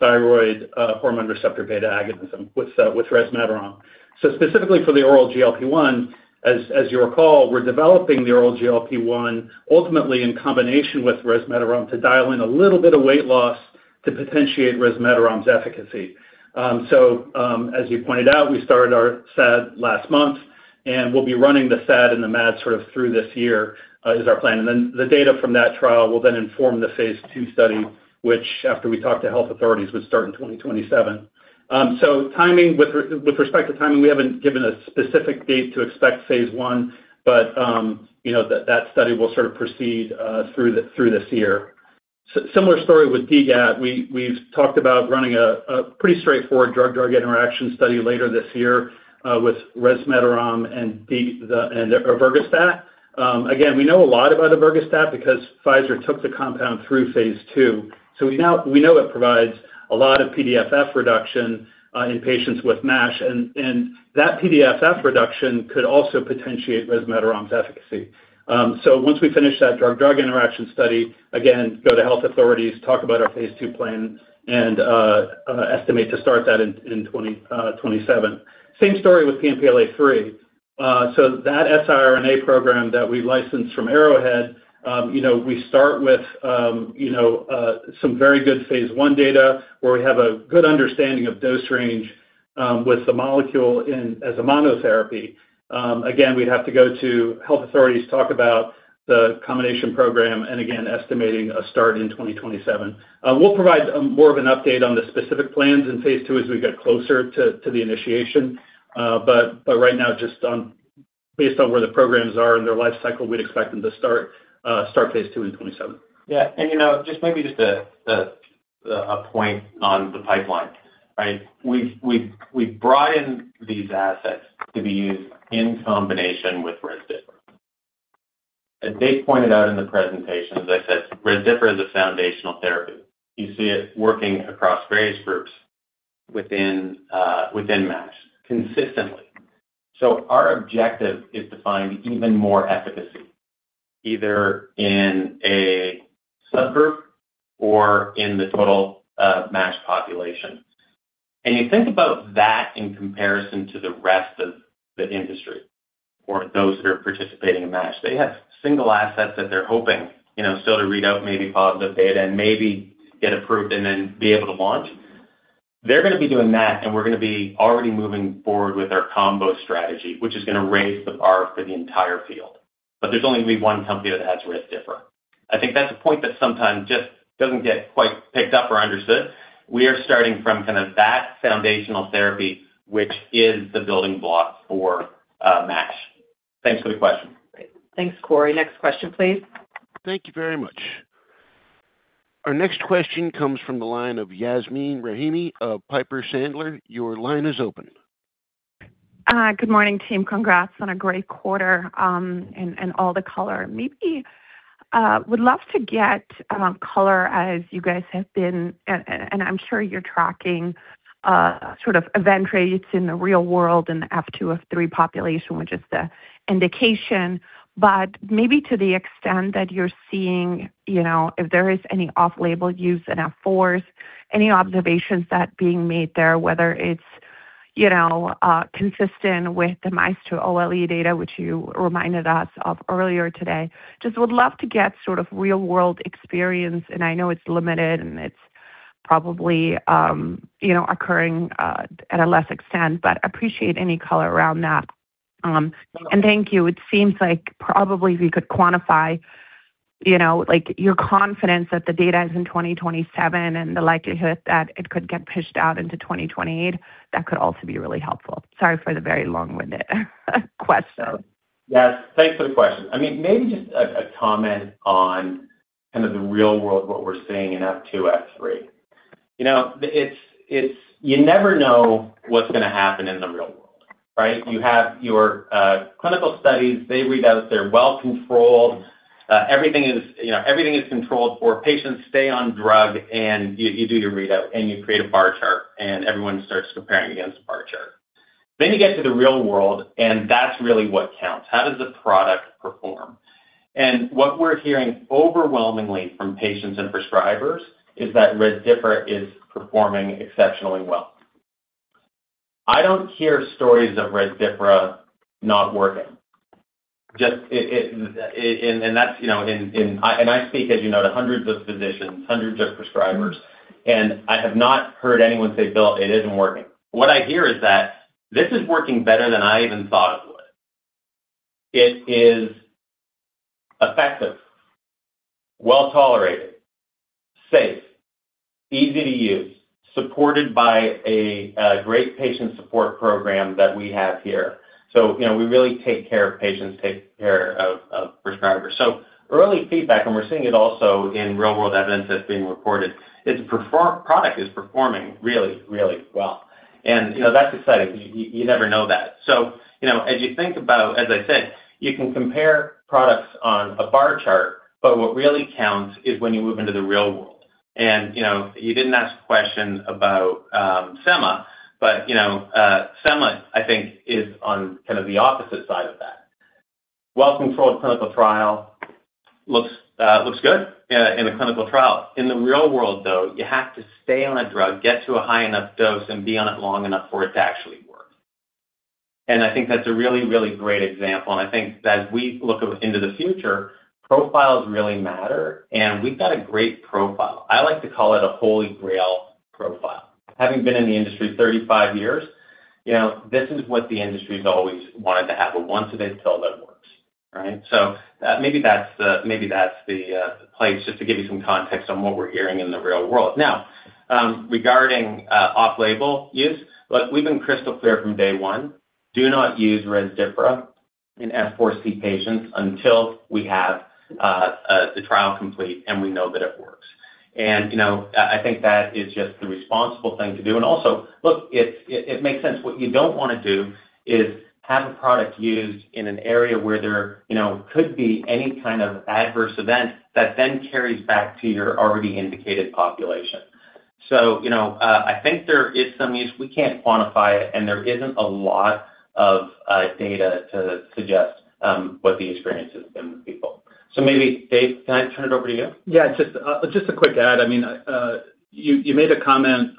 Speaker 4: thyroid hormone receptor beta agonism with resmetirom. Specifically for the oral GLP-1, as you'll recall, we're developing the oral GLP-1 ultimately in combination with resmetirom to dial in a little bit of weight loss to potentiate resmetirom's efficacy. As you pointed out, we started our SAD last month, and we'll be running the SAD and the MAD sort of through this year, is our plan. The data from that trial will then inform the phase II study, which, after we talk to health authorities, would start in 2027. With respect to timing, we haven't given a specific date to expect phase I, but that study will sort of proceed through this year. Similar story with DGAT. We've talked about running a pretty straightforward drug-drug interaction study later this year with resmetirom and ervogastat. Again, we know a lot about ervogastat because Pfizer took the compound through phase II. We know it provides a lot of PDFF reduction in patients with MASH, and that PDFF reduction could also potentiate resmetirom's efficacy. Once we finish that drug-drug interaction study, again, go to health authorities, talk about our phase II plan and estimate to start that in 2027. Same story with PNPLA3- That siRNA program that we licensed from Arrowhead, we start with some very good phase I data where we have a good understanding of dose range with the molecule as a monotherapy. Again, we'd have to go to health authorities to talk about the combination program and again, estimating a start in 2027. We'll provide more of an update on the specific plans in phase II as we get closer to the initiation. Right now, just based on where the programs are in their life cycle, we'd expect them to start phase II in '27.
Speaker 3: Yeah. Just maybe just a point on the pipeline. We've brought in these assets to be used in combination with Rezdiffra. As Dave pointed out in the presentation, as I said, Rezdiffra is a foundational therapy. You see it working across various groups within MASH consistently. Our objective is to find even more efficacy, either in a subgroup or in the total MASH population. You think about that in comparison to the rest of the industry or those that are participating in MASH. They have single assets that they're hoping still to read out maybe positive data and maybe get approved and then be able to launch. They're going to be doing that, and we're going to be already moving forward with our combo strategy, which is going to raise the bar for the entire field. There's only going to be one company that has Rezdiffra. I think that's a point that sometimes just doesn't get quite picked up or understood. We are starting from that foundational therapy, which is the building block for MASH. Thanks for the question.
Speaker 2: Great. Thanks, Corey. Next question, please.
Speaker 1: Thank you very much. Our next question comes from the line of Yasmeen Rahimi of Piper Sandler. Your line is open.
Speaker 11: Good morning, team. Congrats on a great quarter and all the color. Maybe would love to get color as you guys have been, and I'm sure you're tracking sort of event rates in the real world in the F2, F3 population, which is the indication, but maybe to the extent that you're seeing if there is any off-label use in F4s, any observations that are being made there, whether it's consistent with the MAESTRO-OLE data, which you reminded us of earlier today. Just would love to get sort of real-world experience, and I know it's limited and it's probably occurring at a less extent, but appreciate any color around that. Thank you. It seems like probably if you could quantify your confidence that the data is in 2027 and the likelihood that it could get pushed out into 2028, that could also be really helpful. Sorry for the very long-winded question.
Speaker 3: Yes. Thanks for the question. Maybe just a comment on the real world, what we're seeing in F2, F3. You never know what's going to happen in the real world. You have your clinical studies. They read out. They're well-controlled. Everything is controlled for patients stay on drug, and you do your readout, and you create a bar chart, and everyone starts comparing against the bar chart. You get to the real world, and that's really what counts. How does the product perform? What we're hearing overwhelmingly from patients and prescribers is that Rezdiffra is performing exceptionally well. I don't hear stories of Rezdiffra not working. I speak, as you know, to hundreds of physicians, hundreds of prescribers, and I have not heard anyone say, "Bill, it isn't working." What I hear is that this is working better than I even thought it would. It is effective, well-tolerated, safe, easy to use, supported by a great patient support program that we have here. We really take care of patients, take care of prescribers. Early feedback, and we're seeing it also in real-world evidence that's being reported, the product is performing really well, and that's exciting. You never know that. As you think about, as I said, you can compare products on a bar chart, but what really counts is when you move into the real world. You didn't ask the question about semaglutide, but semaglutide, I think is on the opposite side of that. Well-controlled clinical trial looks good in a clinical trial. In the real world, though, you have to stay on a drug, get to a high enough dose, and be on it long enough for it to actually work. I think that's a really great example, and I think that as we look into the future, profiles really matter, and we've got a great profile. I like to call it a holy grail profile. Having been in the industry 35 years, this is what the industry's always wanted to have, a once-a-day pill that works. Maybe that's the place just to give you some context on what we're hearing in the real world. Now, regarding off-label use, look, we've been crystal clear from day one, do not use Rezdiffra in F4C patients until we have the trial complete and we know that it works. I think that is just the responsible thing to do. Also, look, it makes sense. What you don't want to do is have a product used in an area where there could be any kind of adverse event that then carries back to your already indicated population. I think there is some use. We can't quantify it, and there isn't a lot of data to suggest what the experience has been with people. Maybe Dave, can I turn it over to you?
Speaker 4: Just a quick add. You made a comment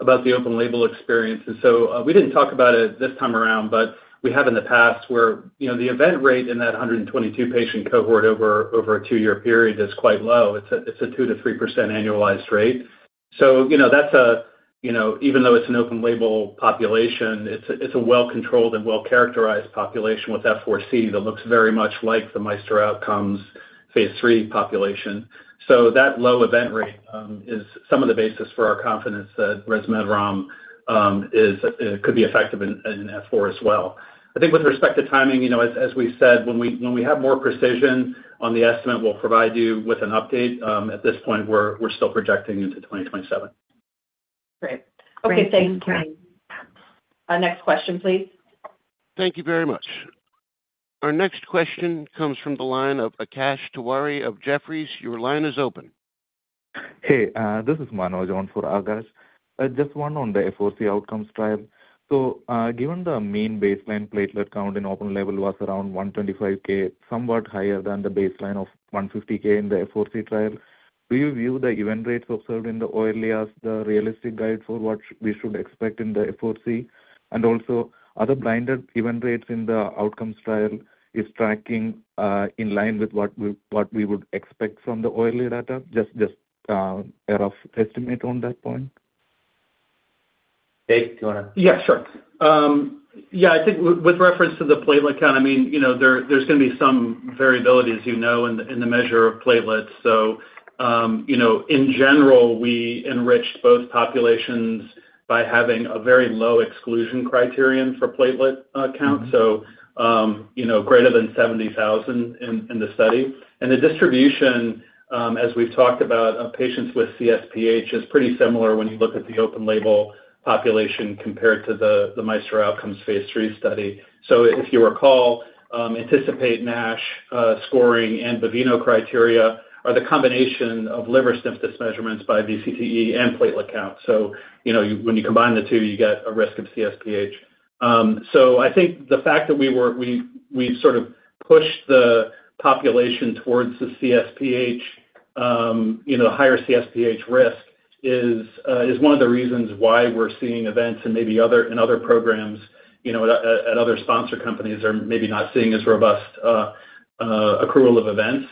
Speaker 4: about the open-label experience. We didn't talk about it this time around, but we have in the past where the event rate in that 122-patient cohort over a two-year period is quite low. It's a 2%-3% annualized rate. Even though it's an open-label population, it's a well-controlled and well-characterized population with F4-C that looks very much like the MAESTRO-NASH OUTCOMES phase III population. That low event rate is some of the basis for our confidence that resmetirom could be effective in F4 as well. I think with respect to timing, as we've said, when we have more precision on the estimate, we'll provide you with an update. At this point, we're still projecting into 2027.
Speaker 2: Great. Okay, thanks. Next question, please.
Speaker 1: Thank you very much. Our next question comes from the line of Akash Tewari of Jefferies. Your line is open.
Speaker 12: Hey, this is Manoj on for Akash. Just one on the F4-C OUTCOMES trial. Given the mean baseline platelet count in open label was around 125,000, somewhat higher than the baseline of 150,000 in the F4-C trial, do you view the event rates observed in the OLE as the realistic guide for what we should expect in the F4-C? Also, are the blinded event rates in the OUTCOMES trial tracking in line with what we would expect from the OLE data? Just a rough estimate on that point.
Speaker 3: Dave, do you want to?
Speaker 4: Yeah, sure. I think with reference to the platelet count, there's going to be some variability, as you know, in the measure of platelets. In general, we enriched both populations by having a very low exclusion criterion for platelet count, greater than 70,000 in the study. The distribution, as we've talked about, of patients with CSPH is pretty similar when you look at the open-label population compared to the MAESTRO-NASH OUTCOMES phase III study. If you recall, ANTICIPATE-NASH scoring and Baveno criteria are the combination of liver stiffness measurements by VCTE and platelet count. When you combine the two, you get a risk of CSPH. I think the fact that we've sort of pushed the population towards the higher CSPH risk is one of the reasons why we're seeing events and maybe in other programs at other sponsor companies are maybe not seeing as robust accrual of events.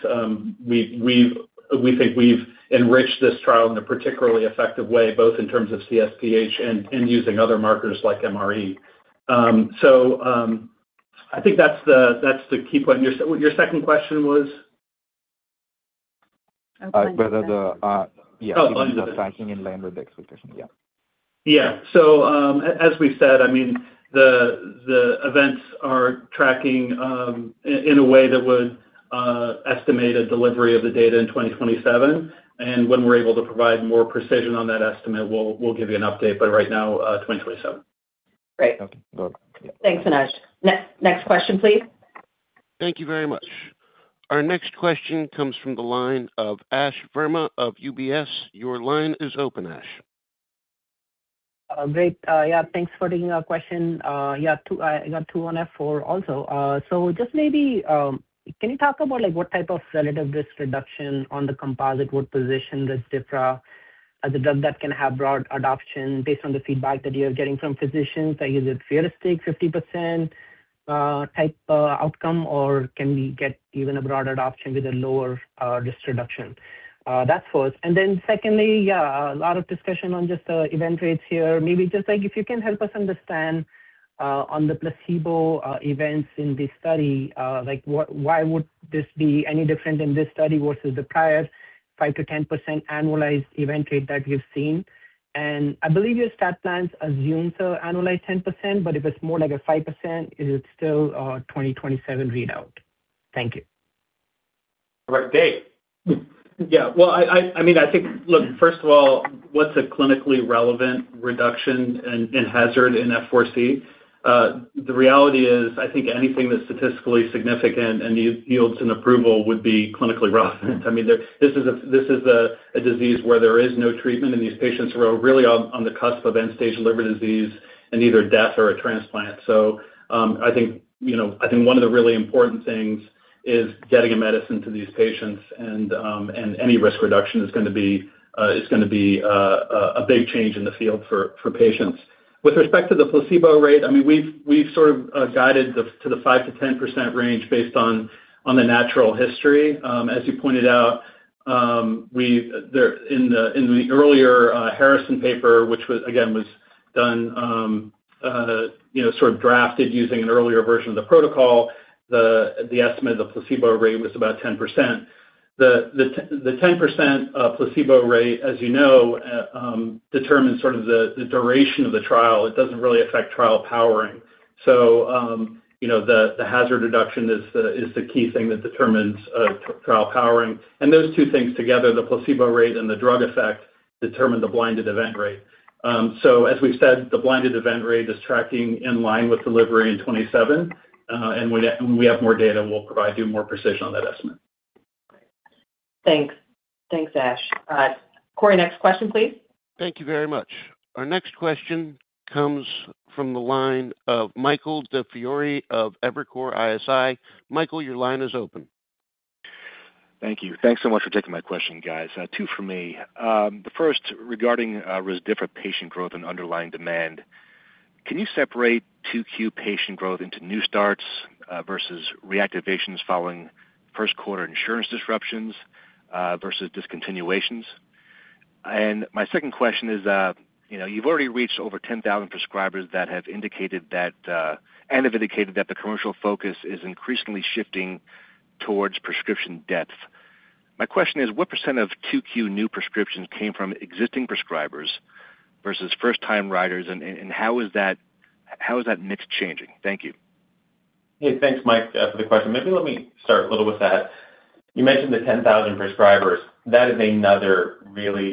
Speaker 4: We think we've enriched this trial in a particularly effective way, both in terms of CSPH and using other markers like MRE. I think that's the key point. Your second question was?
Speaker 12: Whether the-
Speaker 4: Oh, on the-
Speaker 12: Yeah, if it is tracking in line with the expectation. Yeah.
Speaker 4: Yeah. As we've said, the events are tracking in a way that would estimate a delivery of the data in 2027. When we're able to provide more precision on that estimate, we'll give you an update, but right now, 2027.
Speaker 2: Great.
Speaker 12: Okay, got it. Yeah.
Speaker 2: Thanks, Manoj. Next question, please.
Speaker 1: Thank you very much. Our next question comes from the line of Ash Verma of UBS. Your line is open, Ash.
Speaker 13: Great. Thanks for taking our question. I got two on F4 also. Just maybe, can you talk about what type of relative risk reduction on the composite would position Rezdiffra as a drug that can have broad adoption based on the feedback that you're getting from physicians that use it? Realistic 50% type outcome, or can we get even a broader adoption with a lower risk reduction? That's first. Secondly, a lot of discussion on just the event rates here. Maybe just if you can help us understand on the placebo events in this study, why would this be any different than this study versus the prior 5%-10% annualized event rate that you've seen? I believe your stat plans assume to annualize 10%, but if it's more like a 5%, is it still a 2027 readout? Thank you.
Speaker 3: All right, Dave?
Speaker 4: I think, look, first of all, what's a clinically relevant reduction in hazard in F4-C? The reality is, I think anything that's statistically significant and yields an approval would be clinically relevant. This is a disease where there is no treatment, and these patients are really on the cusp of end-stage liver disease and either death or a transplant. I think one of the really important things is getting a medicine to these patients, and any risk reduction is going to be a big change in the field for patients. With respect to the placebo rate, we've sort of guided to the 5%-10% range based on the natural history. As you pointed out, in the earlier Harrison paper, which again was done, sort of drafted using an earlier version of the protocol, the estimate of the placebo rate was about 10%. The 10% placebo rate, as you know, determines sort of the duration of the trial. It doesn't really affect trial powering. The hazard reduction is the key thing that determines trial powering. Those two things together, the placebo rate and the drug effect, determine the blinded event rate. As we've said, the blinded event rate is tracking in line with delivery in 2027. When we have more data, we'll provide you more precision on that estimate.
Speaker 2: Thanks. Thanks, Ash. Corey, next question, please.
Speaker 1: Thank you very much. Our next question comes from the line of Michael DiFiore of Evercore ISI. Michael, your line is open.
Speaker 14: Thank you. Thanks so much for taking my question, guys. Two for me. The first regarding Rezdiffra patient growth and underlying demand. Can you separate 2Q patient growth into new starts versus reactivations following first quarter insurance disruptions versus discontinuations? My second question is, you've already reached over 10,000 prescribers and have indicated that the commercial focus is increasingly shifting towards prescription depth. My question is, what % of 2Q new prescriptions came from existing prescribers versus first-time riders, and how is that mix changing? Thank you.
Speaker 3: Hey, thanks, Mike, for the question. Maybe let me start a little with that. You mentioned the 10,000 prescribers. That is another really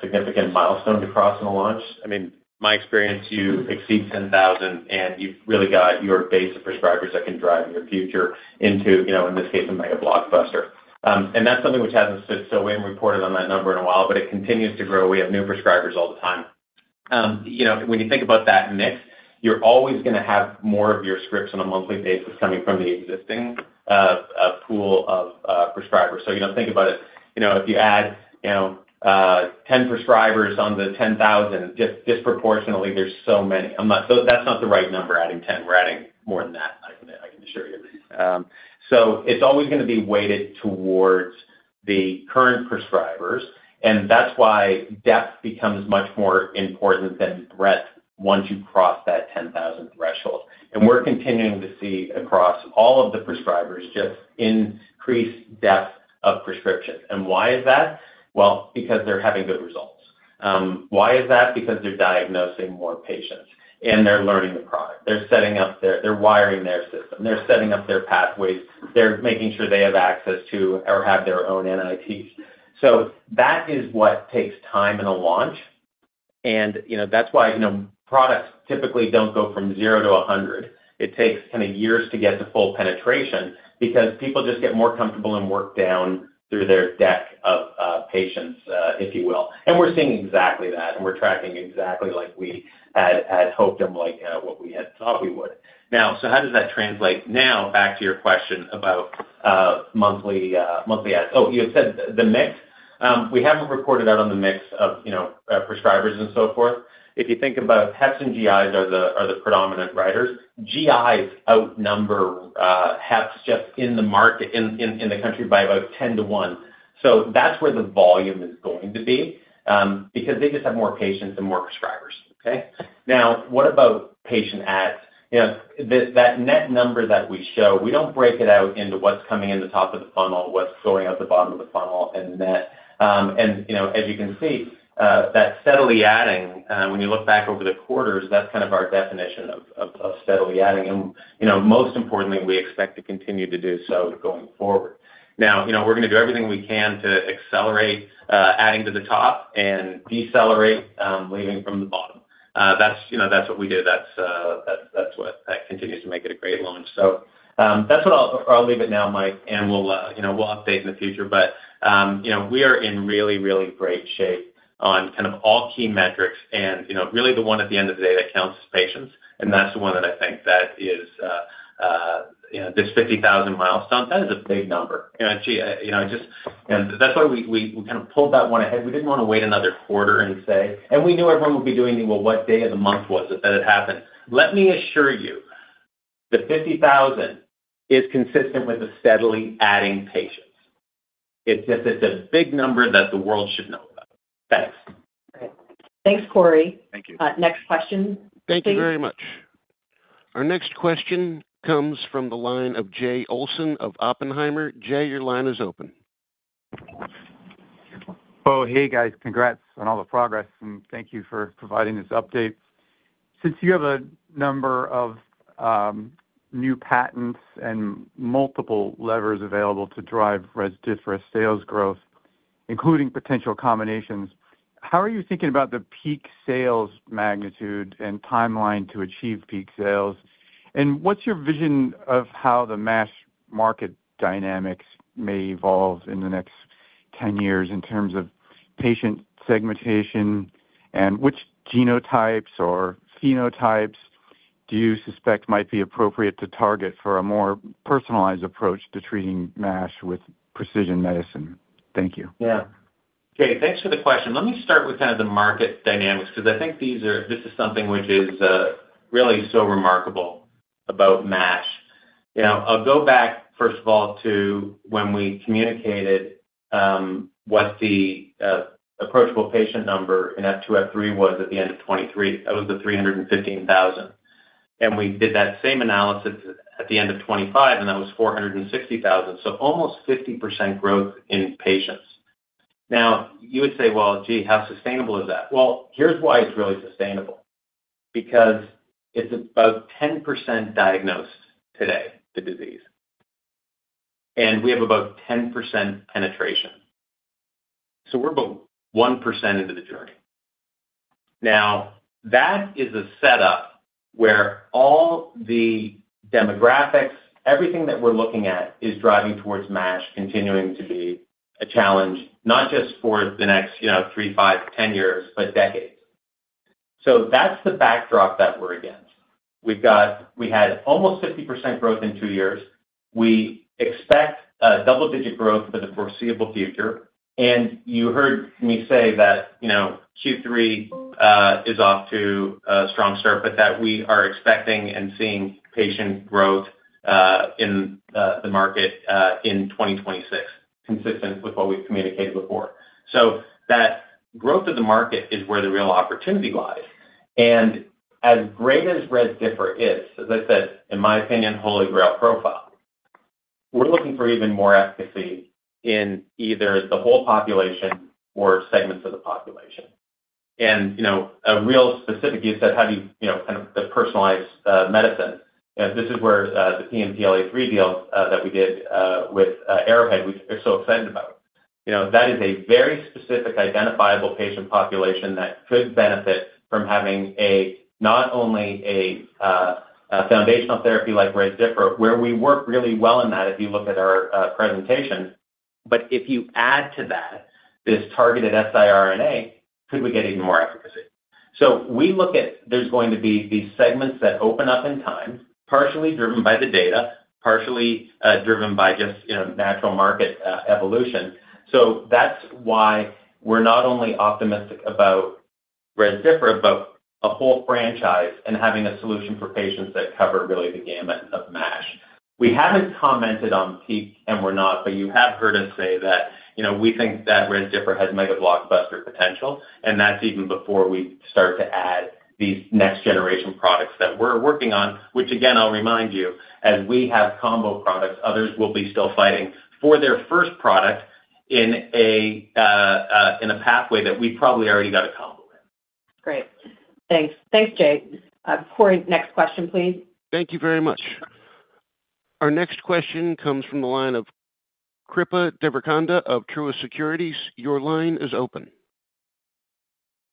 Speaker 3: significant milestone to cross in a launch. In my experience, you exceed 10,000 and you've really got your base of prescribers that can drive your future into, in this case, a mega blockbuster. That's something which hasn't sit still. We haven't reported on that number in a while, but it continues to grow. We have new prescribers all the time. When you think about that mix, you're always going to have more of your scripts on a monthly basis coming from the existing pool of prescribers. Think about it. If you add 10 prescribers on the 10,000, disproportionately, there's so many. That's not the right number, adding 10. We're adding more than that, I can assure you. It's always going to be weighted towards the current prescribers, and that's why depth becomes much more important than breadth once you cross that 10,000 threshold. We're continuing to see across all of the prescribers just increased depth of prescriptions. Why is that? Well, because they're having good results. Why is that? Because they're diagnosing more patients and they're learning the product. They're wiring their system. They're setting up their pathways. They're making sure they have access to or have their own NITs. That is what takes time in a launch, and that's why products typically don't go from zero to 100. It takes years to get to full penetration because people just get more comfortable and work down through their deck of patients, if you will. We're seeing exactly that, and we're tracking exactly like we had hoped and what we had thought we would. How does that translate now back to your question about monthly adds. Oh, you had said the mix. We haven't reported out on the mix of prescribers and so forth. If you think about HEPs and GIs are the predominant writers. GIs outnumber HEPs just in the country by about 10 to 1. That's where the volume is going to be, because they just have more patients and more prescribers. Okay? What about patient adds? That net number that we show, we don't break it out into what's coming in the top of the funnel, what's going out the bottom of the funnel and net. As you can see, that steadily adding, when you look back over the quarters, that's our definition of steadily adding. Most importantly, we expect to continue to do so going forward. We're going to do everything we can to accelerate adding to the top and decelerate leaving from the bottom. That's what we do. That continues to make it a great launch. That's what I'll leave it now, Mike, and we'll update in the future. We are in really great shape on all key metrics and really the one at the end of the day that counts is patients, and that's the one that I think that is this 50,000 milestone. That is a big number. That's why we pulled that one ahead. We didn't want to wait another quarter and we knew everyone would be doing, "Well, what day of the month was it that it happened?" Let me assure you that 50,000 is consistent with the steadily adding patients. It's a big number that the world should know about. Thanks.
Speaker 2: Great. Thanks, Corey.
Speaker 3: Thank you.
Speaker 2: Next question, please.
Speaker 1: Thank you very much. Our next question comes from the line of Jay Olson of Oppenheimer. Jay, your line is open.
Speaker 15: Oh, hey, guys. Congrats on all the progress, and thank you for providing this update. Since you have a number of new patents and multiple levers available to drive Rezdiffra sales growth, including potential combinations, how are you thinking about the peak sales magnitude and timeline to achieve peak sales? What's your vision of how the MASH market dynamics may evolve in the next 10 years in terms of patient segmentation? Which genotypes or phenotypes do you suspect might be appropriate to target for a more personalized approach to treating MASH with precision medicine? Thank you.
Speaker 3: Yeah. Jay, thanks for the question. Let me start with the market dynamics, because I think this is something which is really so remarkable about MASH. I'll go back, first of all, to when we communicated what the approachable patient number in F2, F3 was at the end of 2023. That was the 315,000. We did that same analysis at the end of 2025, and that was 460,000. Almost 50% growth in patients. Now, you would say, "Well, gee, how sustainable is that?" Well, here's why it's really sustainable. It's about 10% diagnosed today, the disease. We have about 10% penetration. We're about 1% into the journey. That is a setup where all the demographics, everything that we're looking at is driving towards MASH continuing to be a challenge, not just for the next three, five, 10 years, but decades. That's the backdrop that we're against. We had almost 50% growth in two years. We expect double-digit growth for the foreseeable future, and you heard me say that Q3 is off to a strong start, but that we are expecting and seeing patient growth in the market in 2026, consistent with what we've communicated before. That growth of the market is where the real opportunity lies. As great as Rezdiffra is, as I said, in my opinion, holy grail profile, we're looking for even more efficacy in either the whole population or segments of the population. A real specific use that, how do you kind of personalize medicine? This is where the PNPLA3 deal that we did with Arrowhead, we are so excited about. That is a very specific, identifiable patient population that could benefit from having not only a foundational therapy like Rezdiffra, where we work really well in that if you look at our presentation, but if you add to that this targeted siRNA, could we get even more efficacy? We look at there's going to be these segments that open up in time, partially driven by the data, partially driven by just natural market evolution. That's why we're not only optimistic about Rezdiffra, but a whole franchise and having a solution for patients that cover really the gamut of MASH. We haven't commented on peak and we're not, but you have heard us say that we think that Rezdiffra has mega blockbuster potential, and that's even before we start to add these next-generation products that we're working on, which again, I'll remind you, as we have combo products, others will be still fighting for their first product in a pathway that we probably already got a combo in.
Speaker 2: Great. Thanks, Jay. Corey, next question, please.
Speaker 1: Thank you very much. Our next question comes from the line of Kripa Devarakonda of Truist Securities. Your line is open.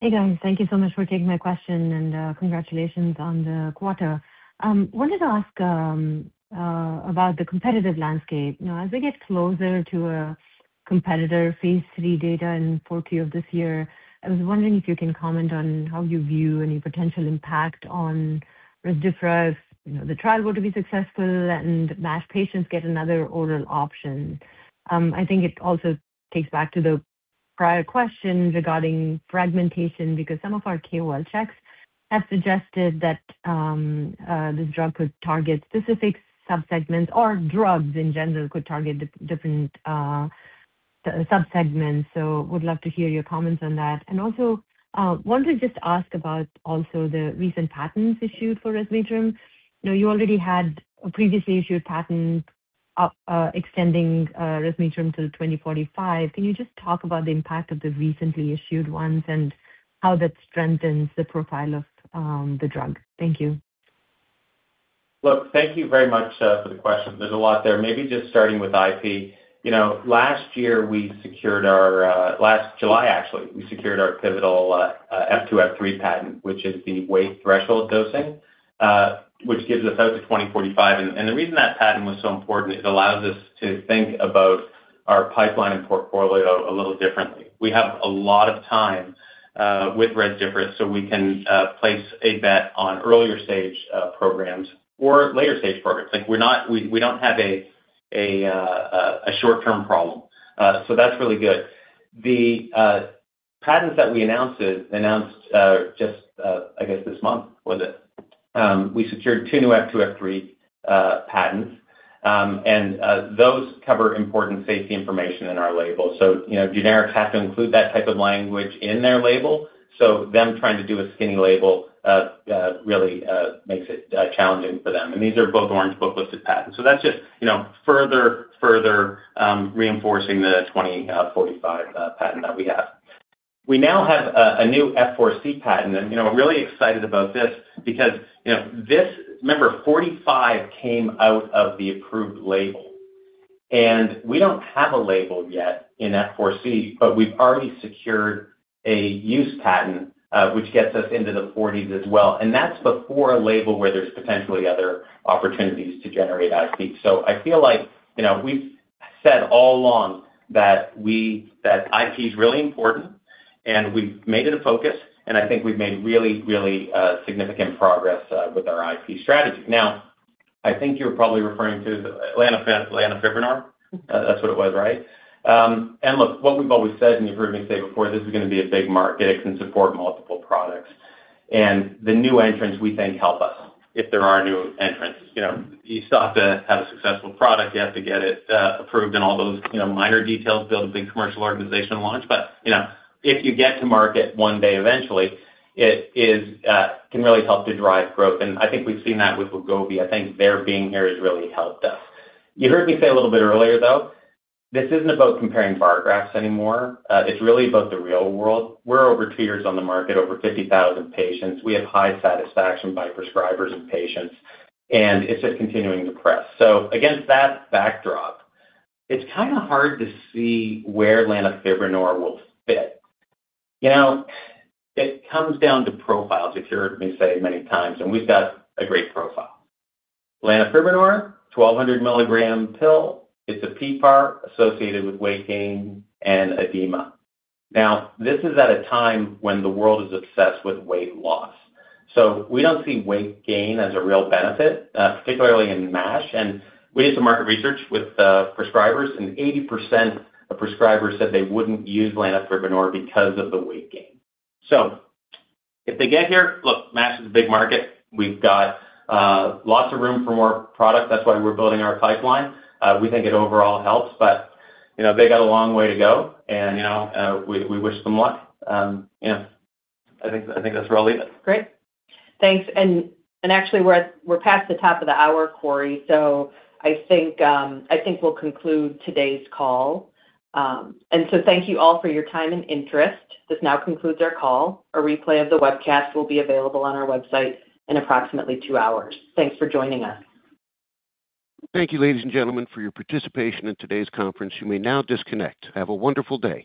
Speaker 16: Hey, guys. Thank you so much for taking my question and congratulations on the quarter. Wanted to ask about the competitive landscape. As we get closer to a competitor phase III data in 4Q of this year, I was wondering if you can comment on how you view any potential impact on Rezdiffra if the trial were to be successful and MASH patients get another oral option. I think it also takes back to the prior question regarding fragmentation because some of our KOL checks have suggested that this drug could target specific subsegments or drugs in general could target different subsegments. Would love to hear your comments on that. Also, wanted to just ask about also the recent patents issued for resmetirom. You already had a previously issued patent extending resmetirom till 2045. Can you just talk about the impact of the recently issued ones and how that strengthens the profile of the drug? Thank you.
Speaker 3: Look, thank you very much for the question. There's a lot there. Maybe just starting with IP. Last July, actually, we secured our pivotal F2-F3 patent, which is the weight threshold dosing, which gives us out to 2045. The reason that patent was so important is it allows us to think about our pipeline and portfolio a little differently. We have a lot of time with Rezdiffra, so we can place a bet on earlier-stage programs or later-stage programs. We don't have a short-term problem. That's really good. The patents that we announced just, I guess this month, was it? We secured two new F2-F3 patents, and those cover important safety information in our label. Generics have to include that type of language in their label, so them trying to do a skinny label really makes it challenging for them. These are both Orange Book-listed patents. That's just further reinforcing the 2045 patent that we have. We now have a new F4C patent. I'm really excited about this because remember, 2045 came out of the approved label, and we don't have a label yet in F4C, but we've already secured a use patent, which gets us into the 2040s as well. That's before a label where there's potentially other opportunities to generate IP. I feel like we've said all along that IP's really important, and we've made it a focus, and I think we've made really significant progress with our IP strategy. Now, I think you're probably referring to lanifibranor. That's what it was, right? Look, what we've always said, and you've heard me say before, this is going to be a big market. It can support multiple products. The new entrants, we think, help us if there are new entrants. You still have to have a successful product, you have to get it approved and all those minor details, build a big commercial organization launch. If you get to market one day eventually, it can really help to drive growth. I think we've seen that with Wegovy. I think their being here has really helped us. You heard me say a little bit earlier, though, this isn't about comparing bar graphs anymore. It's really about the real world. We're over two years on the market, over 50,000 patients. We have high satisfaction by prescribers and patients, and it's just continuing to press. Against that backdrop, it's kind of hard to see where lanifibranor will fit. It comes down to profiles, as you heard me say many times, and we've got a great profile. Lanifibranor, 1,200-mg pill. It's a PPAR associated with weight gain and edema. This is at a time when the world is obsessed with weight loss. We don't see weight gain as a real benefit, particularly in MASH. We did some market research with prescribers, and 80% of prescribers said they wouldn't use lanifibranor because of the weight gain. If they get here, look, MASH is a big market. We've got lots of room for more product. That's why we're building our pipeline. We think it overall helps, they got a long way to go, and we wish them luck. I think that's where I'll leave it.
Speaker 2: Great. Thanks. Actually, we're past the top of the hour, Corey, I think we'll conclude today's call. Thank you all for your time and interest. This now concludes our call. A replay of the webcast will be available on our website in approximately two hours. Thanks for joining us.
Speaker 1: Thank you, ladies and gentlemen, for your participation in today's conference. You may now disconnect. Have a wonderful day